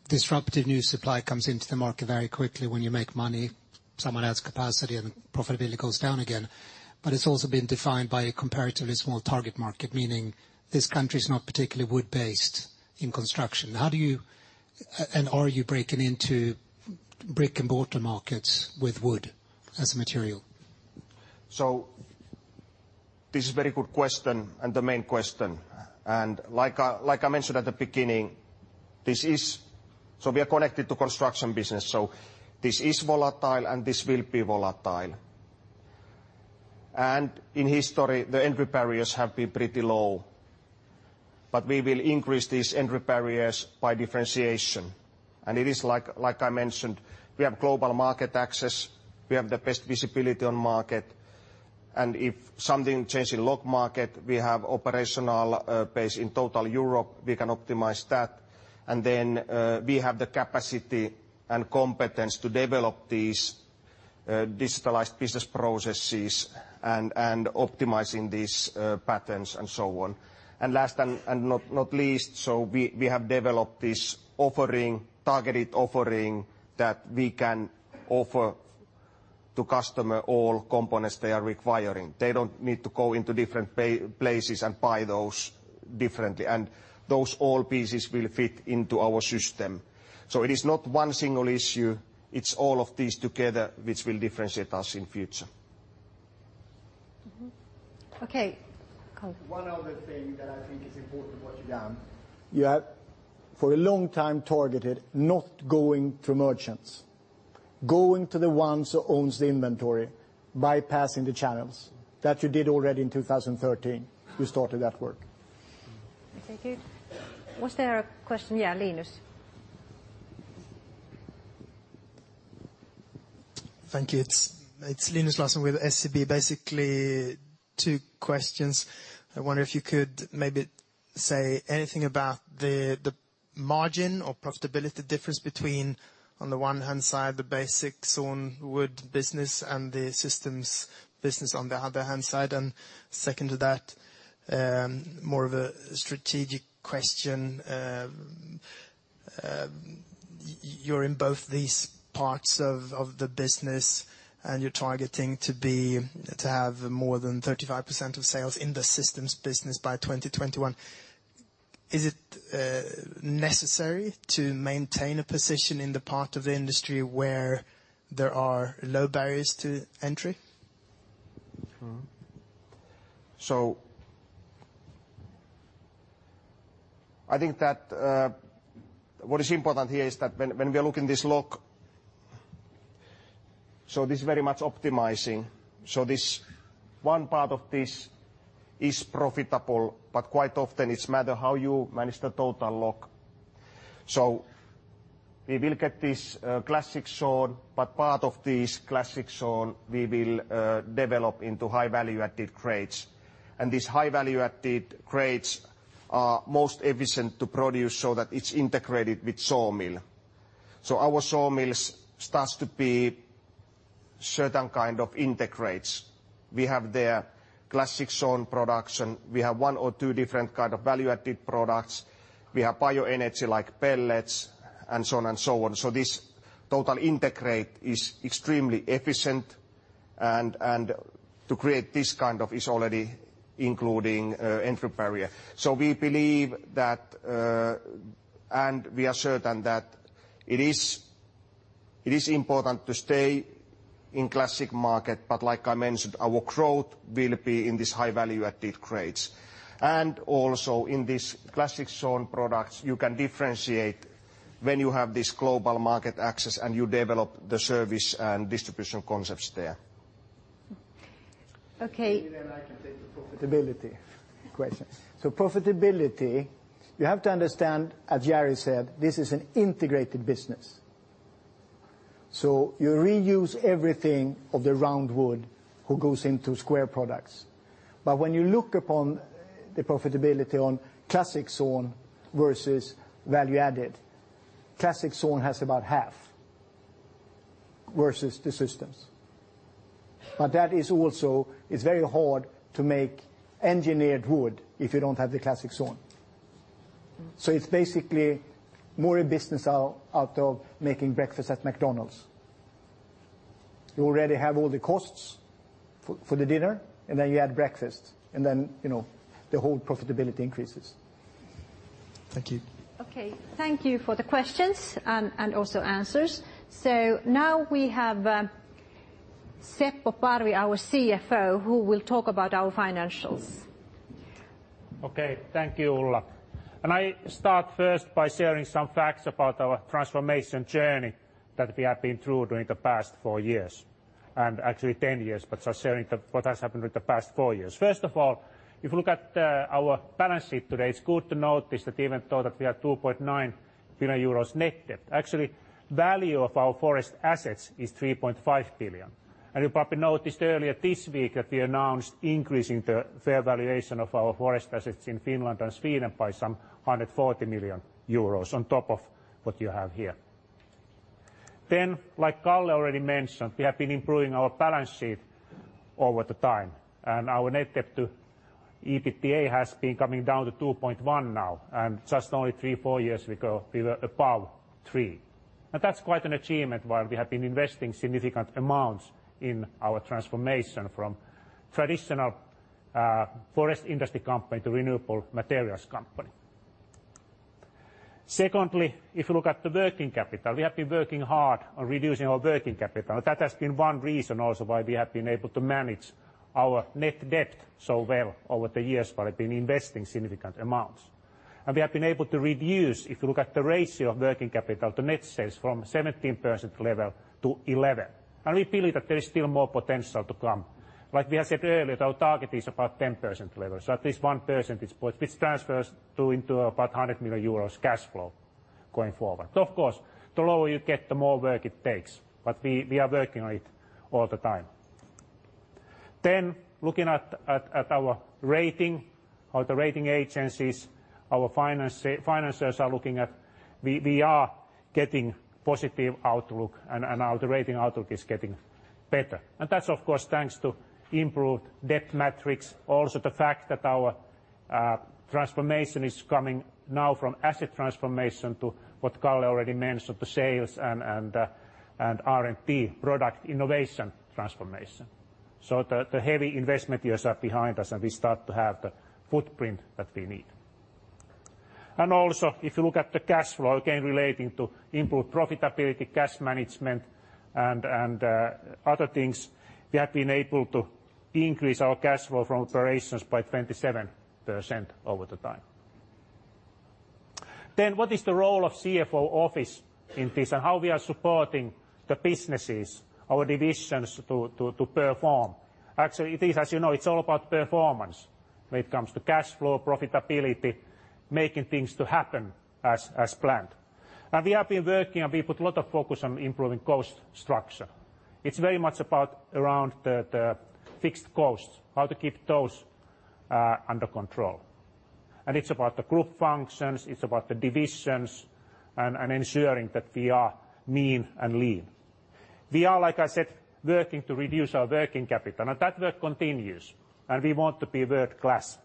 disruptive new supply comes into the market very quickly when you make money, someone adds capacity and profitability goes down again. It's also been defined by a comparatively small target market, meaning this country is not particularly wood-based in construction. How do you, and are you breaking into brick-and-mortar markets with wood as a material?
This is very good question and the main question. Like I mentioned at the beginning, we are connected to construction business, this is volatile and this will be volatile. In history, the entry barriers have been pretty low. We will increase these entry barriers by differentiation. It is like I mentioned, we have global market access, we have the best visibility on market, if something change in log market, we have operational base in total Europe, we can optimize that. We have the capacity and competence to develop these digitalized business processes and optimizing these patterns and so on. Last and not least, we have developed this targeted offering that we can offer to customer all components they are requiring. They don't need to go into different places and buy those differently. Those all pieces will fit into our system. It is not one single issue, it's all of these together which will differentiate us in future.
Okay.
One other thing that I think is important what you've done, you have, for a long time targeted not going through merchants, going to the ones who owns the inventory, bypassing the channels. That you did already in 2013, we started that work.
Okay, good. Was there a question? Yeah, Linus.
Thank you. It's Linus Larsson with SEB. Basically, two questions. I wonder if you could maybe say anything about the margin or profitability difference between, on the one hand side, the basic sawn wood business and the systems business on the other hand side. Second to that, more of a strategic question. You're in both these parts of the business, and you're targeting to have more than 35% of sales in the systems business by 2021. Is it necessary to maintain a position in the part of the industry where there are low barriers to entry?
I think that what is important here is that when we are looking this log, this is very much optimizing. This one part of this is profitable, but quite often it's matter how you manage the total log. We will get this classic sawn, but part of this classic sawn we will develop into high value added grades. These high value added grades are most efficient to produce so that it's integrated with sawmill. Our sawmills starts to be certain kind of integrates. We have their classic sawn production. We have one or two different kind of value added products. We have bioenergy like pellets and so on and so on. This total integrate is extremely efficient, and to create this kind of is already including entry barrier. We believe that, we are certain that it is important to stay in classic market. Like I mentioned, our growth will be in this high value added grades. Also in this classic sawn products, you can differentiate when you have this global market access and you develop the service and distribution concepts there.
Okay.
Maybe I can take the profitability question. Profitability, you have to understand, as Jari said, this is an integrated business. You reuse everything of the round wood who goes into square products. When you look upon the profitability on classic sawn versus value added, classic sawn has about half versus the systems. That is also, it's very hard to make engineered wood if you don't have the classic sawn. It's basically more a business out of making breakfast at McDonald's. You already have all the costs for the dinner, you add breakfast, the whole profitability increases.
Thank you.
Okay. Thank you for the questions and also answers. Now we have Seppo Parvi, our CFO, who will talk about our financials.
Okay. Thank you, Ulla. I start first by sharing some facts about our transformation journey that we have been through during the past four years, and actually 10 years, but just sharing what has happened with the past four years. First of all, if you look at our balance sheet today, it is good to notice that even though that we have 2.9 billion euros net debt, actually value of our forest assets is 3.5 billion. You probably noticed earlier this week that we announced increasing the fair valuation of our forest assets in Finland and Sweden by some 140 million euros on top of what you have here. Like Kalle already mentioned, we have been improving our balance sheet over the time, and our net debt to EBITDA has been coming down to 2.1 now, and just only three, four years ago, we were above three. That is quite an achievement while we have been investing significant amounts in our transformation from traditional forest industry company to renewable materials company. Secondly, if you look at the working capital, we have been working hard on reducing our working capital. That has been one reason also why we have been able to manage our net debt so well over the years while we have been investing significant amounts. We have been able to reduce, if you look at the ratio of working capital to net sales from 17% level to 11%. We feel that there is still more potential to come. Like we have said earlier, our target is about 10% level, so at least one percentage point, which transfers into about 100 million euros cash flow going forward. The lower you get, the more work it takes, we are working on it all the time. Looking at our rating or the rating agencies our financers are looking at, we are getting positive outlook, our rating outlook is getting better. That's of course, thanks to improved debt metrics. Also, the fact that our transformation is coming now from asset transformation to what Kalle already mentioned, the sales and R&D product innovation transformation. The heavy investment years are behind us, we start to have the footprint that we need. Also, if you look at the cash flow, again relating to improved profitability, cash management, and other things, we have been able to increase our cash flow from operations by 27% over the time. What is the role of CFO office in this and how we are supporting the businesses, our divisions, to perform? Actually, it is as you know, it's all about performance when it comes to cash flow, profitability, making things to happen as planned. We have been working, we put a lot of focus on improving cost structure. It's very much about around the fixed costs, how to keep those under control. It's about the group functions, it's about the divisions, ensuring that we are mean and lean. We are, like I said, working to reduce our working capital, that work continues, we want to be world-class.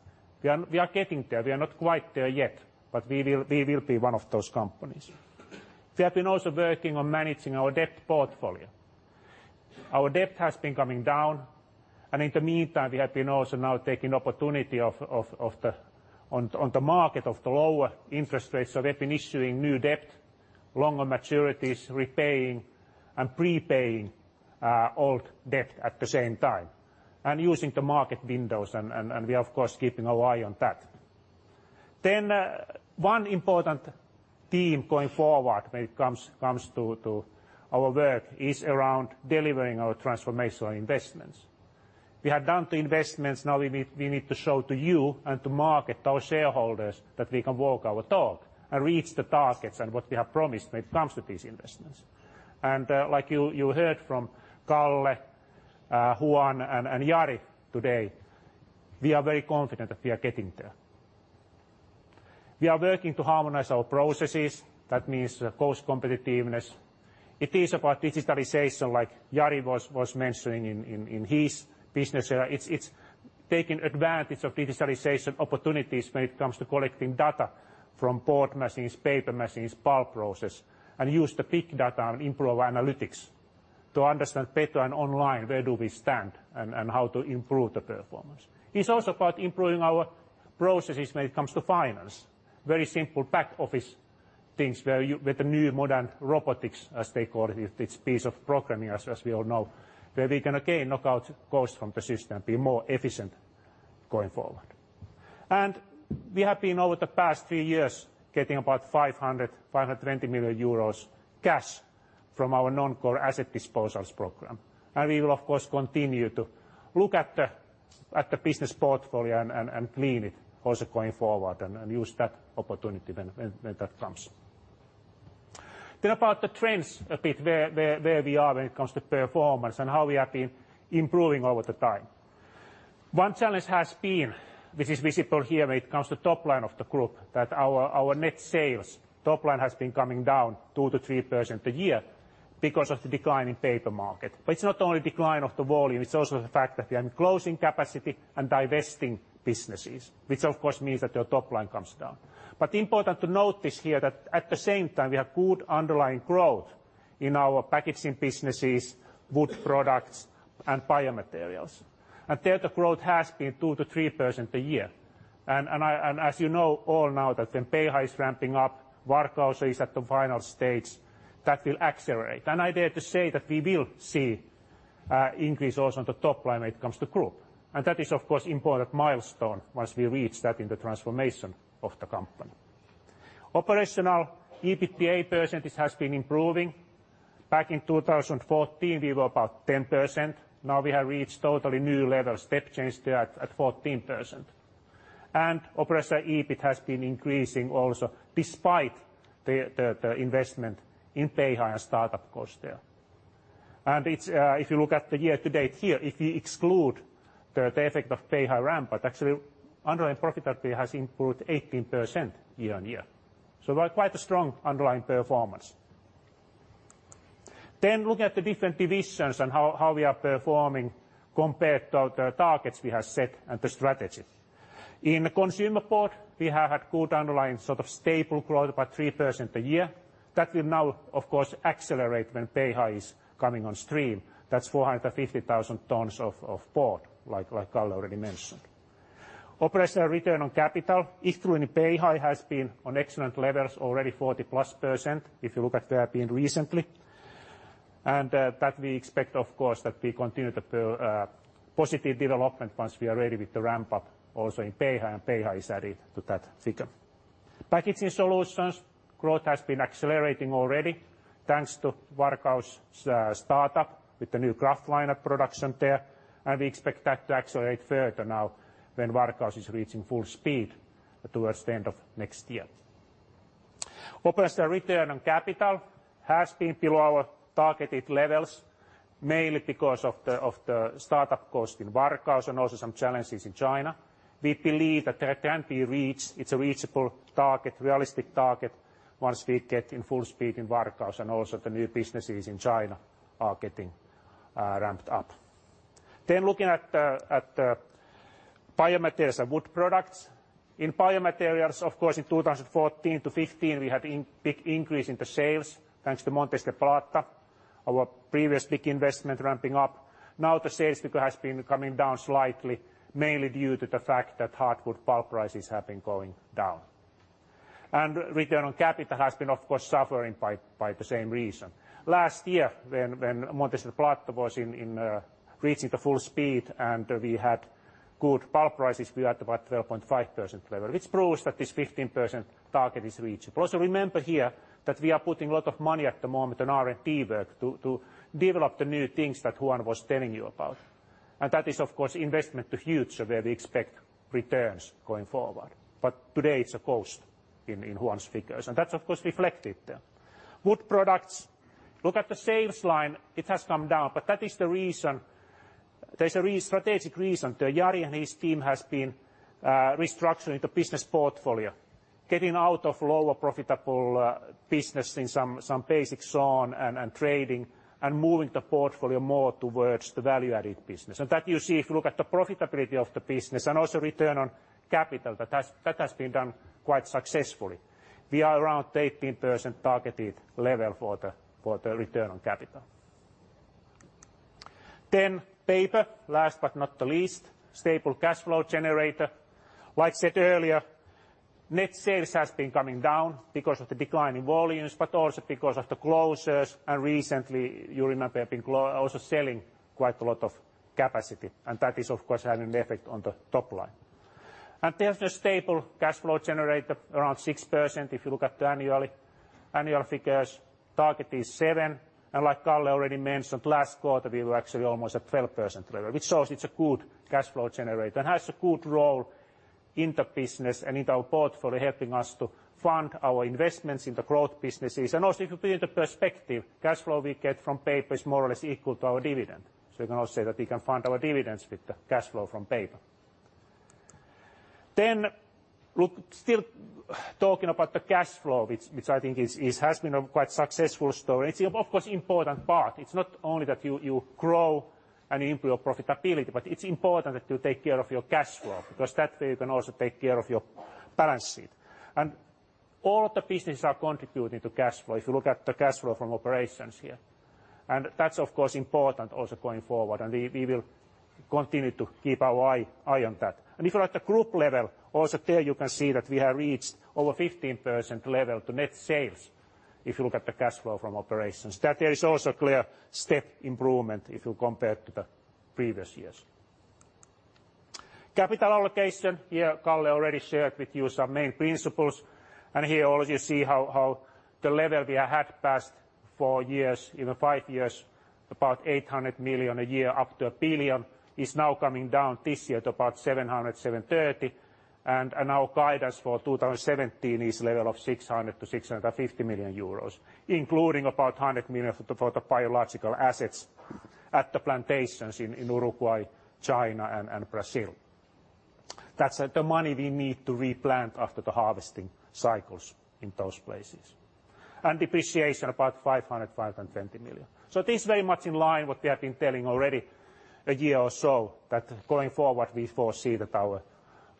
We are getting there. We are not quite there yet, we will be one of those companies. We have been also working on managing our debt portfolio. Our debt has been coming down, in the meantime, we have been also now taking opportunity on the market of the lower interest rates. We've been issuing new debt, longer maturities, repaying and prepaying old debt at the same time, using the market windows, we are of course, keeping our eye on that. One important theme going forward when it comes to our work is around delivering our transformational investments. We have done the investments. Now we need to show to you and to market, our shareholders, that we can walk our talk and reach the targets and what we have promised when it comes to these investments. Like you heard from Kalle, Juan, and Jari today, we are very confident that we are getting there. We are working to harmonize our processes. That means cost competitiveness. It is about digitalization like Jari was mentioning in his business area. It's taking advantage of digitalization opportunities when it comes to collecting data from board machines, paper machines, pulp process, use the big data and improve our analytics to understand better and online, where do we stand and how to improve the performance. It's also about improving our processes when it comes to finance. Very simple back office things where with the new modern robotics, as they call it, this piece of programming as we all know, where we can again knock out costs from the system, be more efficient going forward. We have been, over the past three years, getting about 500 million, 520 million euros cash from our non-core asset disposals program. We will of course, continue to look at the business portfolio and clean it also going forward and use that opportunity when that comes. About the trends a bit, where we are when it comes to performance and how we have been improving over the time. One challenge has been, which is visible here when it comes to top line of the group, that our net sales top line has been coming down 2%-3% a year because of the decline in paper market. It's not only decline of the volume, it's also the fact that we are closing capacity and divesting businesses, which of course means that your top line comes down. Important to note this here, that at the same time, we have good underlying growth in our packaging businesses, Wood Products, and Biomaterials. There the growth has been 2%-3% a year. As you know all now that when Beihai is ramping up, Varkaus is at the final stage, that will accelerate. I dare to say that we will see increase also on the top line when it comes to group. That is of course important milestone once we reach that in the transformation of the company. Operational EBITDA % has been improving. Back in 2014, we were about 10%. Now we have reached totally new level, step change there at 14%. Operating EBIT has been increasing also despite the investment in Beihai and startup cost there. If you look at the year-to-date here, if you exclude the effect of Beihai ramp-up, actually underlying profitability has improved 18% year-on-year. Quite a strong underlying performance. Looking at the different divisions and how we are performing compared to the targets we have set and the strategy. In Consumer Board, we have had good underlying stable growth, about 3% a year. That will now, of course, accelerate when Beihai is coming on stream. That is 450,000 tons of board, like Kalle already mentioned. Operating return on capital, excluding Beihai, has been on excellent levels, already 40% plus, if you look at where we have been recently. That we expect, of course, that we continue the positive development once we are ready with the ramp-up also in Beihai, and Beihai is added to that figure. Packaging Solutions growth has been accelerating already thanks to Varkaus startup with the new kraftliner production there, we expect that to accelerate further now when Varkaus is reaching full speed towards the end of next year. Operating return on capital has been below our targeted levels, mainly because of the startup cost in Varkaus and also some challenges in China. We believe that it can be reached. It's a reachable target, realistic target once we get in full speed in Varkaus and also the new businesses in China are getting ramped up. Looking at Biomaterials and Wood Products. In Biomaterials, of course, in 2014-2015, we had big increase in the sales thanks to Montes del Plata. Our previous big investment ramping up. Now the sales figure has been coming down slightly, mainly due to the fact that hardwood pulp prices have been going down. Return on capital has been, of course, suffering by the same reason. Last year when Montes del Plata was in reaching the full speed and we had good pulp prices, we had about 12.5% level, which proves that this 15% target is reachable. Remember here that we are putting a lot of money at the moment on R&D work to develop the new things that Juan was telling you about. That is, of course, investment to future where we expect returns going forward. Today it's a cost in Juan's figures. That's, of course, reflected there. Wood Products, look at the sales line. It has come down, but that is the reason. There's a strategic reason. Jari and his team has been restructuring the business portfolio, getting out of lower profitable business in some basic sawn and trading and moving the portfolio more towards the value-added business. That you see if you look at the profitability of the business and also return on capital, that has been done quite successfully. We are around the 18% targeted level for the return on capital. Paper, last but not the least, staple cash flow generator. Like I said earlier, net sales has been coming down because of the decline in volumes, but also because of the closures and recently, you remember, have been also selling quite a lot of capacity, and that is, of course, having an effect on the top line. There's the staple cash flow generator, around 6% if you look at the annual figures. Target is 7, and like Kalle already mentioned, last quarter, we were actually almost at 12% level, which shows it's a good cash flow generator and has a good role in the business and in our portfolio, helping us to fund our investments in the growth businesses. Also if you put into perspective, cash flow we get from Paper is more or less equal to our dividend. You can also say that we can fund our dividends with the cash flow from Paper. Look still talking about the cash flow, which I think has been a quite successful story. It's of course important part. It's not only that you grow and improve your profitability, but it's important that you take care of your cash flow because that way you can also take care of your balance sheet. All the businesses are contributing to cash flow, if you look at the cash flow from operations here. That's of course important also going forward, and we will continue to keep our eye on that. If you're at the group level, also there you can see that we have reached over 15% level to net sales if you look at the cash flow from operations. That there is also clear step improvement if you compare to the previous years. Capital allocation. Here Kalle already shared with you some main principles, and here also you see how the level we had passed for years, even five years, about 800 million a year up to 1 billion, is now coming down this year to about 700 million-730 million. Our guidance for 2017 is level of 600 million-650 million euros, including about 100 million for the biological assets at the plantations in Uruguay, China, and Brazil. That's the money we need to replant after the harvesting cycles in those places. Depreciation about 500 million-520 million. This very much in line what we have been telling already a year or so, that going forward, we foresee that our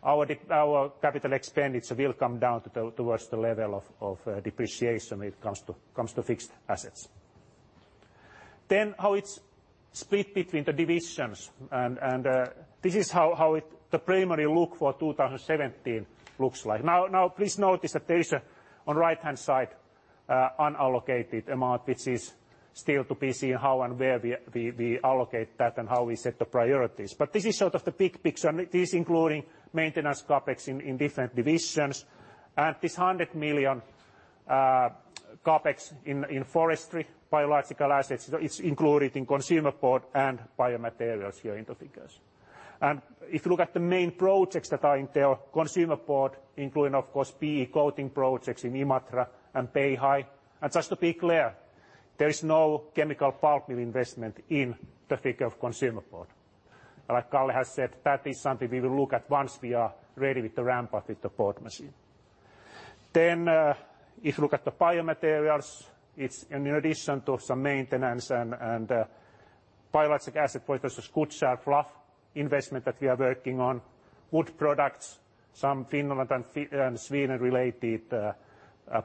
CapEx will come down towards the level of depreciation when it comes to fixed assets. How it's split between the divisions, this is how the primary look for 2017 looks like. Please notice that there is a, on right-hand side, unallocated amount which is still to be seen how and where we allocate that and how we set the priorities. This is sort of the big picture, this including maintenance CapEx in different divisions. This 100 million CapEx in forestry, biological assets, it's included in Consumer Board and Biomaterials here in the figures. If you look at the main projects that are in there, Consumer Board, including of course PE coating projects in Imatra and Beihai. Just to be clear, there is no chemical pulp mill investment in the figure of Consumer Board. Like Kalle has said, that is something we will look at once we are ready with the ramp-up with the board machine. If you look at the Biomaterials, it's in addition to some maintenance and biological asset for instance, Skutskär and fluff pulp investment that we are working on. Wood products, some Finland and Sweden-related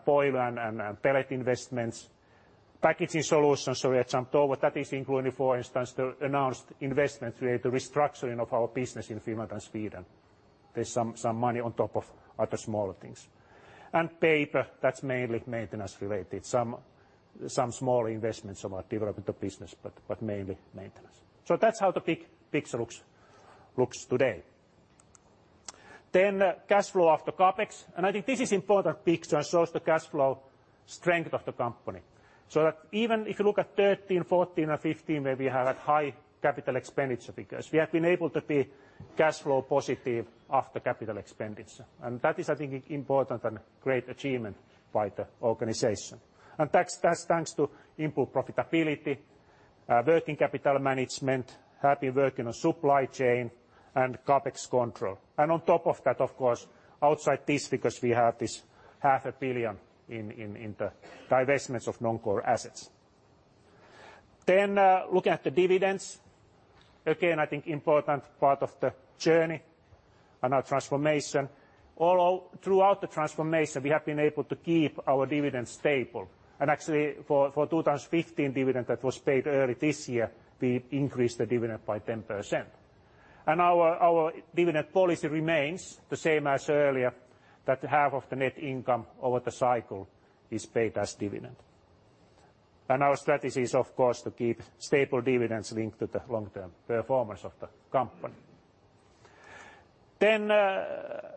boiler and pellet investments. Packaging Solutions, at Sampo, that is including, for instance, the announced investment related to restructuring of our business in Finland and Sweden. There's some money on top of other smaller things. Paper, that's mainly maintenance-related. Some small investments about development of business, but mainly maintenance. That's how the big picture looks today. Cash flow after CapEx, I think this is important picture and shows the cash flow strength of the company. That even if you look at 2013, 2014, and 2015, where we had high CapEx because we have been able to be cash flow positive after CapEx. That is I think important and great achievement by the organization. That's thanks to improved profitability, working capital management, happy working on supply chain, and CapEx control. On top of that, of course, outside this because we have this EUR half a billion in the divestments of non-core assets. Looking at the dividends Again, I think important part of the journey and our transformation. Throughout the transformation, we have been able to keep our dividends stable. Actually, for 2015 dividend that was paid early this year, we increased the dividend by 10%. Our dividend policy remains the same as earlier, that half of the net income over the cycle is paid as dividend. Our strategy is, of course, to keep stable dividends linked to the long-term performance of the company.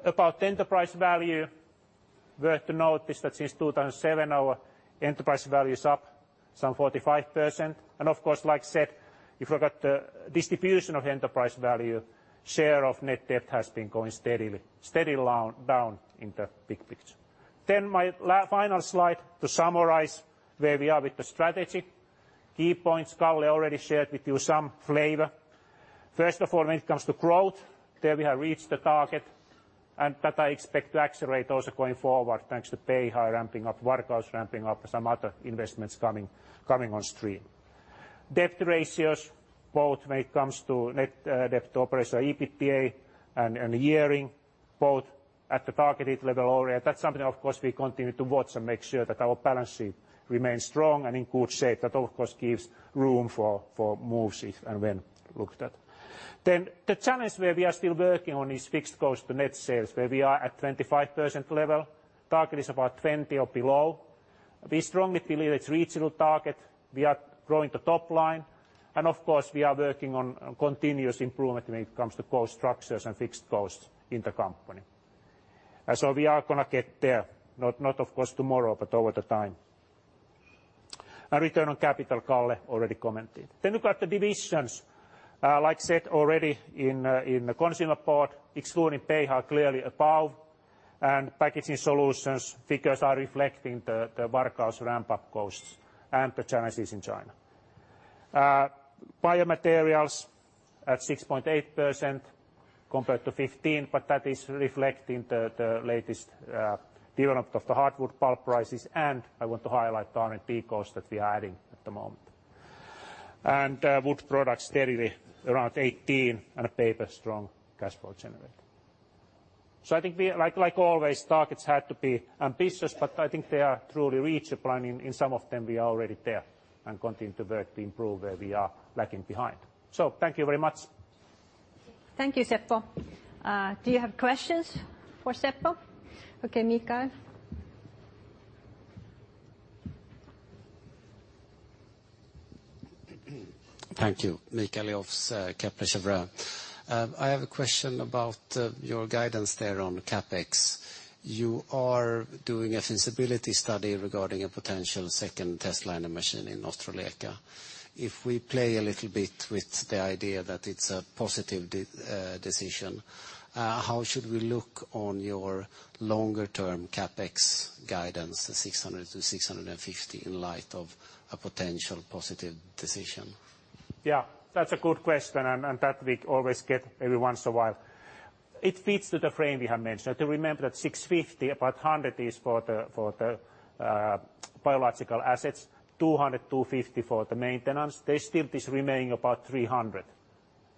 About the enterprise value, worth to note is that since 2007, our enterprise value is up some 45%. Of course, like I said, if you've got the distribution of enterprise value, share of net debt has been going steadily down in the big picture. My final slide to summarize where we are with the strategy. Key points Kalle already shared with you some flavor. First of all, when it comes to growth, there we have reached the target, and that I expect to accelerate also going forward thanks to Beihai ramping up, Varkaus ramping up, some other investments coming on stream. Debt ratios, both when it comes to net debt to operating EBITDA, and year-end, both at the targeted level. That's something, of course, we continue to watch and make sure that our balance sheet remains strong and in good shape. That, of course, gives room for moves if and when looked at. The challenge where we are still working on is fixed cost to net sales, where we are at 25% level. Target is about 20% or below. We strongly believe it's reachable target. We are growing the top line, and of course, we are working on continuous improvement when it comes to cost structures and fixed costs in the company. So we are going to get there, not of course tomorrow, but over the time. Return on capital, Kalle already commented. Look at the divisions. Like said already in the consumer part, excluding Beihai, clearly above. Packaging solutions figures are reflecting the Varkaus ramp-up costs and the challenges in China. Biomaterials at 6.8% compared to 15%, but that is reflecting the latest development of the hardwood pulp prices, and I want to highlight the R&D costs that we are adding at the moment. Wood products steadily around 18%, and paper strong cash flow generator. I think like always, targets had to be ambitious, but I think they are truly reachable and in some of them we are already there and continue to work to improve where we are lacking behind. Thank you very much.
Thank you, Seppo. Do you have questions for Seppo? Okay, Mikael.
Thank you. [Mikael Olofsson], Kepler Cheuvreux. I have a question about your guidance there on CapEx. You are doing a feasibility study regarding a potential second test line and machine in Ostrołęka. If we play a little bit with the idea that it's a positive decision, how should we look on your longer-term CapEx guidance, the 600-650, in light of a potential positive decision?
Yeah, that's a good question. That we always get every once in a while. It feeds to the frame we have mentioned. To remember that 650, about 100 is for the biological assets, 200-250 for the maintenance. There still is remaining about 300.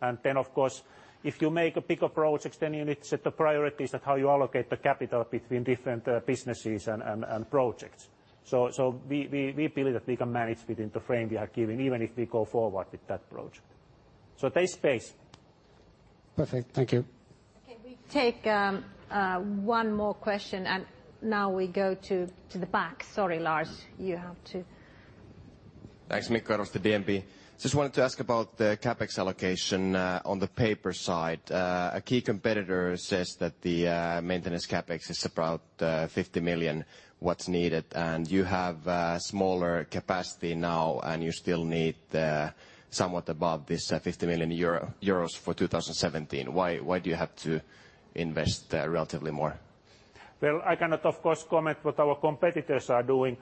Of course, if you make bigger projects, then you need to set the priorities of how you allocate the capital between different businesses and projects. We believe that we can manage within the frame we are given, even if we go forward with that project. There is space.
Perfect. Thank you.
Okay, we take one more question. Now we go to the back. Sorry, Lars, you have to
Thanks. Michael Roos, DNB. Just wanted to ask about the CapEx allocation on the paper side. A key competitor says that the maintenance CapEx is about 50 million, what's needed. You have smaller capacity now, and you still need somewhat above this 50 million euro for 2017. Why do you have to invest relatively more?
Well, I cannot, of course, comment what our competitors are doing.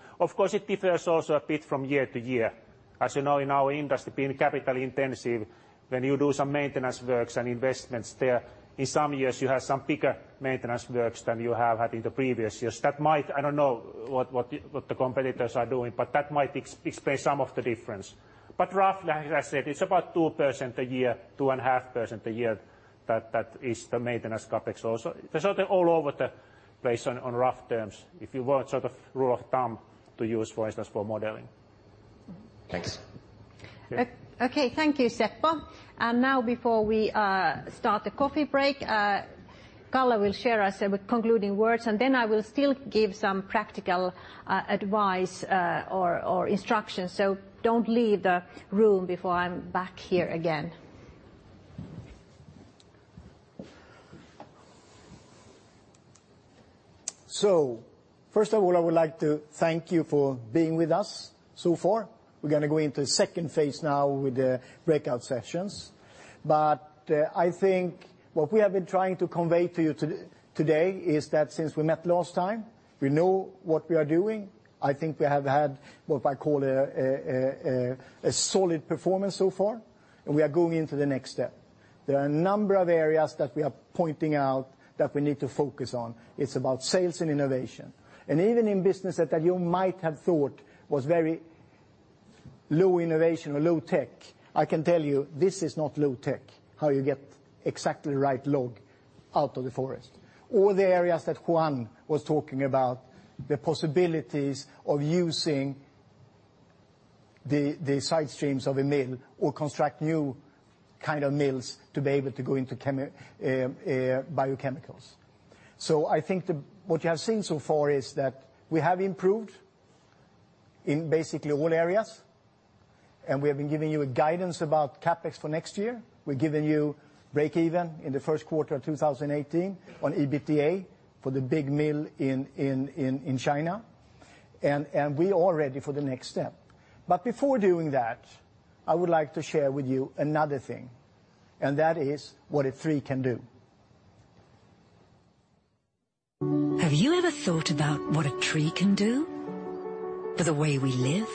It differs also a bit from year to year. As you know, in our industry, being capital intensive, when you do some maintenance works and investments there, in some years you have some bigger maintenance works than you have had in the previous years. I don't know what the competitors are doing, but that might explain some of the difference. Roughly, as I said, it's about 2% a year, 2.5% a year. That is the maintenance CapEx also. They're sort of all over the place on rough terms. If you want sort of rule of thumb to use, for instance, for modeling.
Thanks.
Okay. Thank you, Seppo. Now before we start the coffee break, Kalle will share us with concluding words, and then I will still give some practical advice or instructions. Don't leave the room before I'm back here again.
First of all, I would like to thank you for being with us so far. We're going to go into phase 2 now with the breakout sessions. I think what we have been trying to convey to you today is that since we met last time, we know what we are doing. I think we have had what I call a solid performance so far, and we are going into the next step. There are a number of areas that we are pointing out that we need to focus on. It's about sales and innovation. Even in business that you might have thought was very low innovation or low tech, I can tell you this is not low tech, how you get exactly the right log out of the forest. The areas that Juan was talking about, the possibilities of using the side streams of a mill or construct new kind of mills to be able to go into biochemicals. I think what you have seen so far is that we have improved in basically all areas, and we have been giving you a guidance about CapEx for next year. We've given you breakeven in the first quarter of 2018 on EBITDA for the big mill in China, and we are ready for the next step. Before doing that, I would like to share with you another thing, and that is what a tree can do.
Have you ever thought about what a tree can do for the way we live,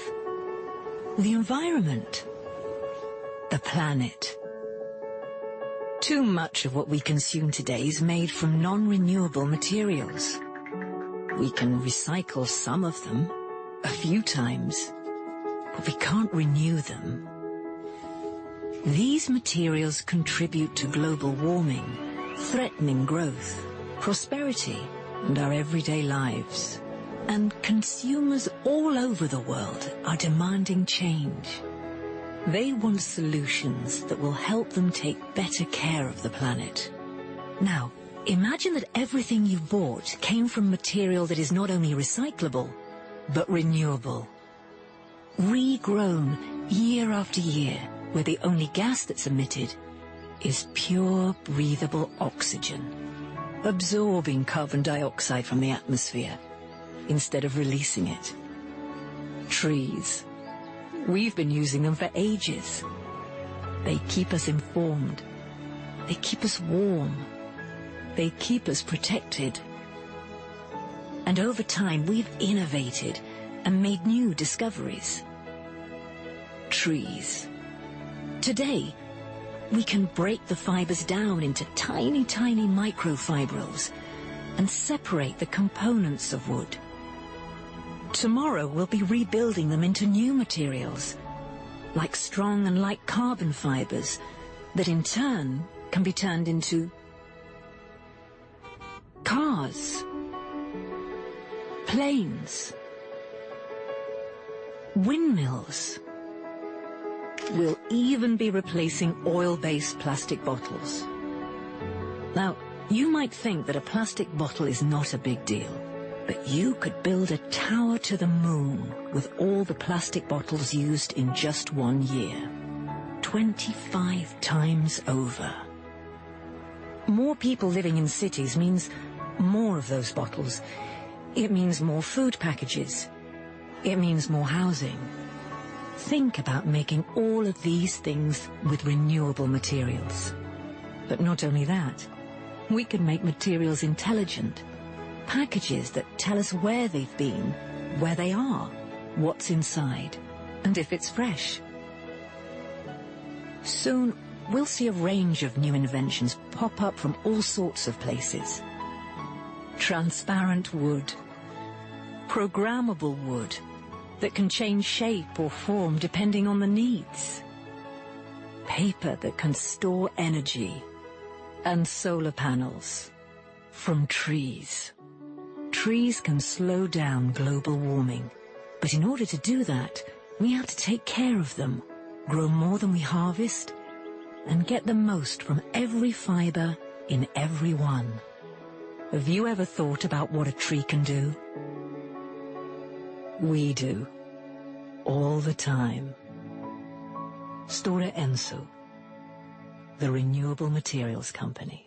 the environment, the planet? Too much of what we consume today is made from non-renewable materials. We can recycle some of them a few times, but we can't renew them. These materials contribute to global warming, threatening growth, prosperity, and our everyday lives. Consumers all over the world are demanding change. They want solutions that will help them take better care of the planet. Imagine that everything you bought came from material that is not only recyclable but renewable. Regrown year after year, where the only gas that's emitted is pure, breathable oxygen, absorbing carbon dioxide from the atmosphere instead of releasing it. Trees. We've been using them for ages. They keep us informed. They keep us warm. They keep us protected. Over time, we've innovated and made new discoveries. Trees. Today, we can break the fibers down into tiny microfibrils and separate the components of wood. Tomorrow, we'll be rebuilding them into new materials, like strong and light carbon fibers, that in turn can be turned into cars, planes, windmills. We'll even be replacing oil-based plastic bottles. You might think that a plastic bottle is not a big deal, but you could build a tower to the moon with all the plastic bottles used in just one year, 25 times over. More people living in cities means more of those bottles. It means more food packages. It means more housing. Think about making all of these things with renewable materials. Not only that, we can make materials intelligent. Packages that tell us where they've been, where they are, what's inside, and if it's fresh. Soon, we'll see a range of new inventions pop up from all sorts of places. Transparent wood, programmable wood that can change shape or form depending on the needs, paper that can store energy, and solar panels from trees. Trees can slow down global warming. In order to do that, we have to take care of them, grow more than we harvest, and get the most from every fiber in every one. Have you ever thought about what a tree can do? We do, all the time. Stora Enso, the renewable materials company.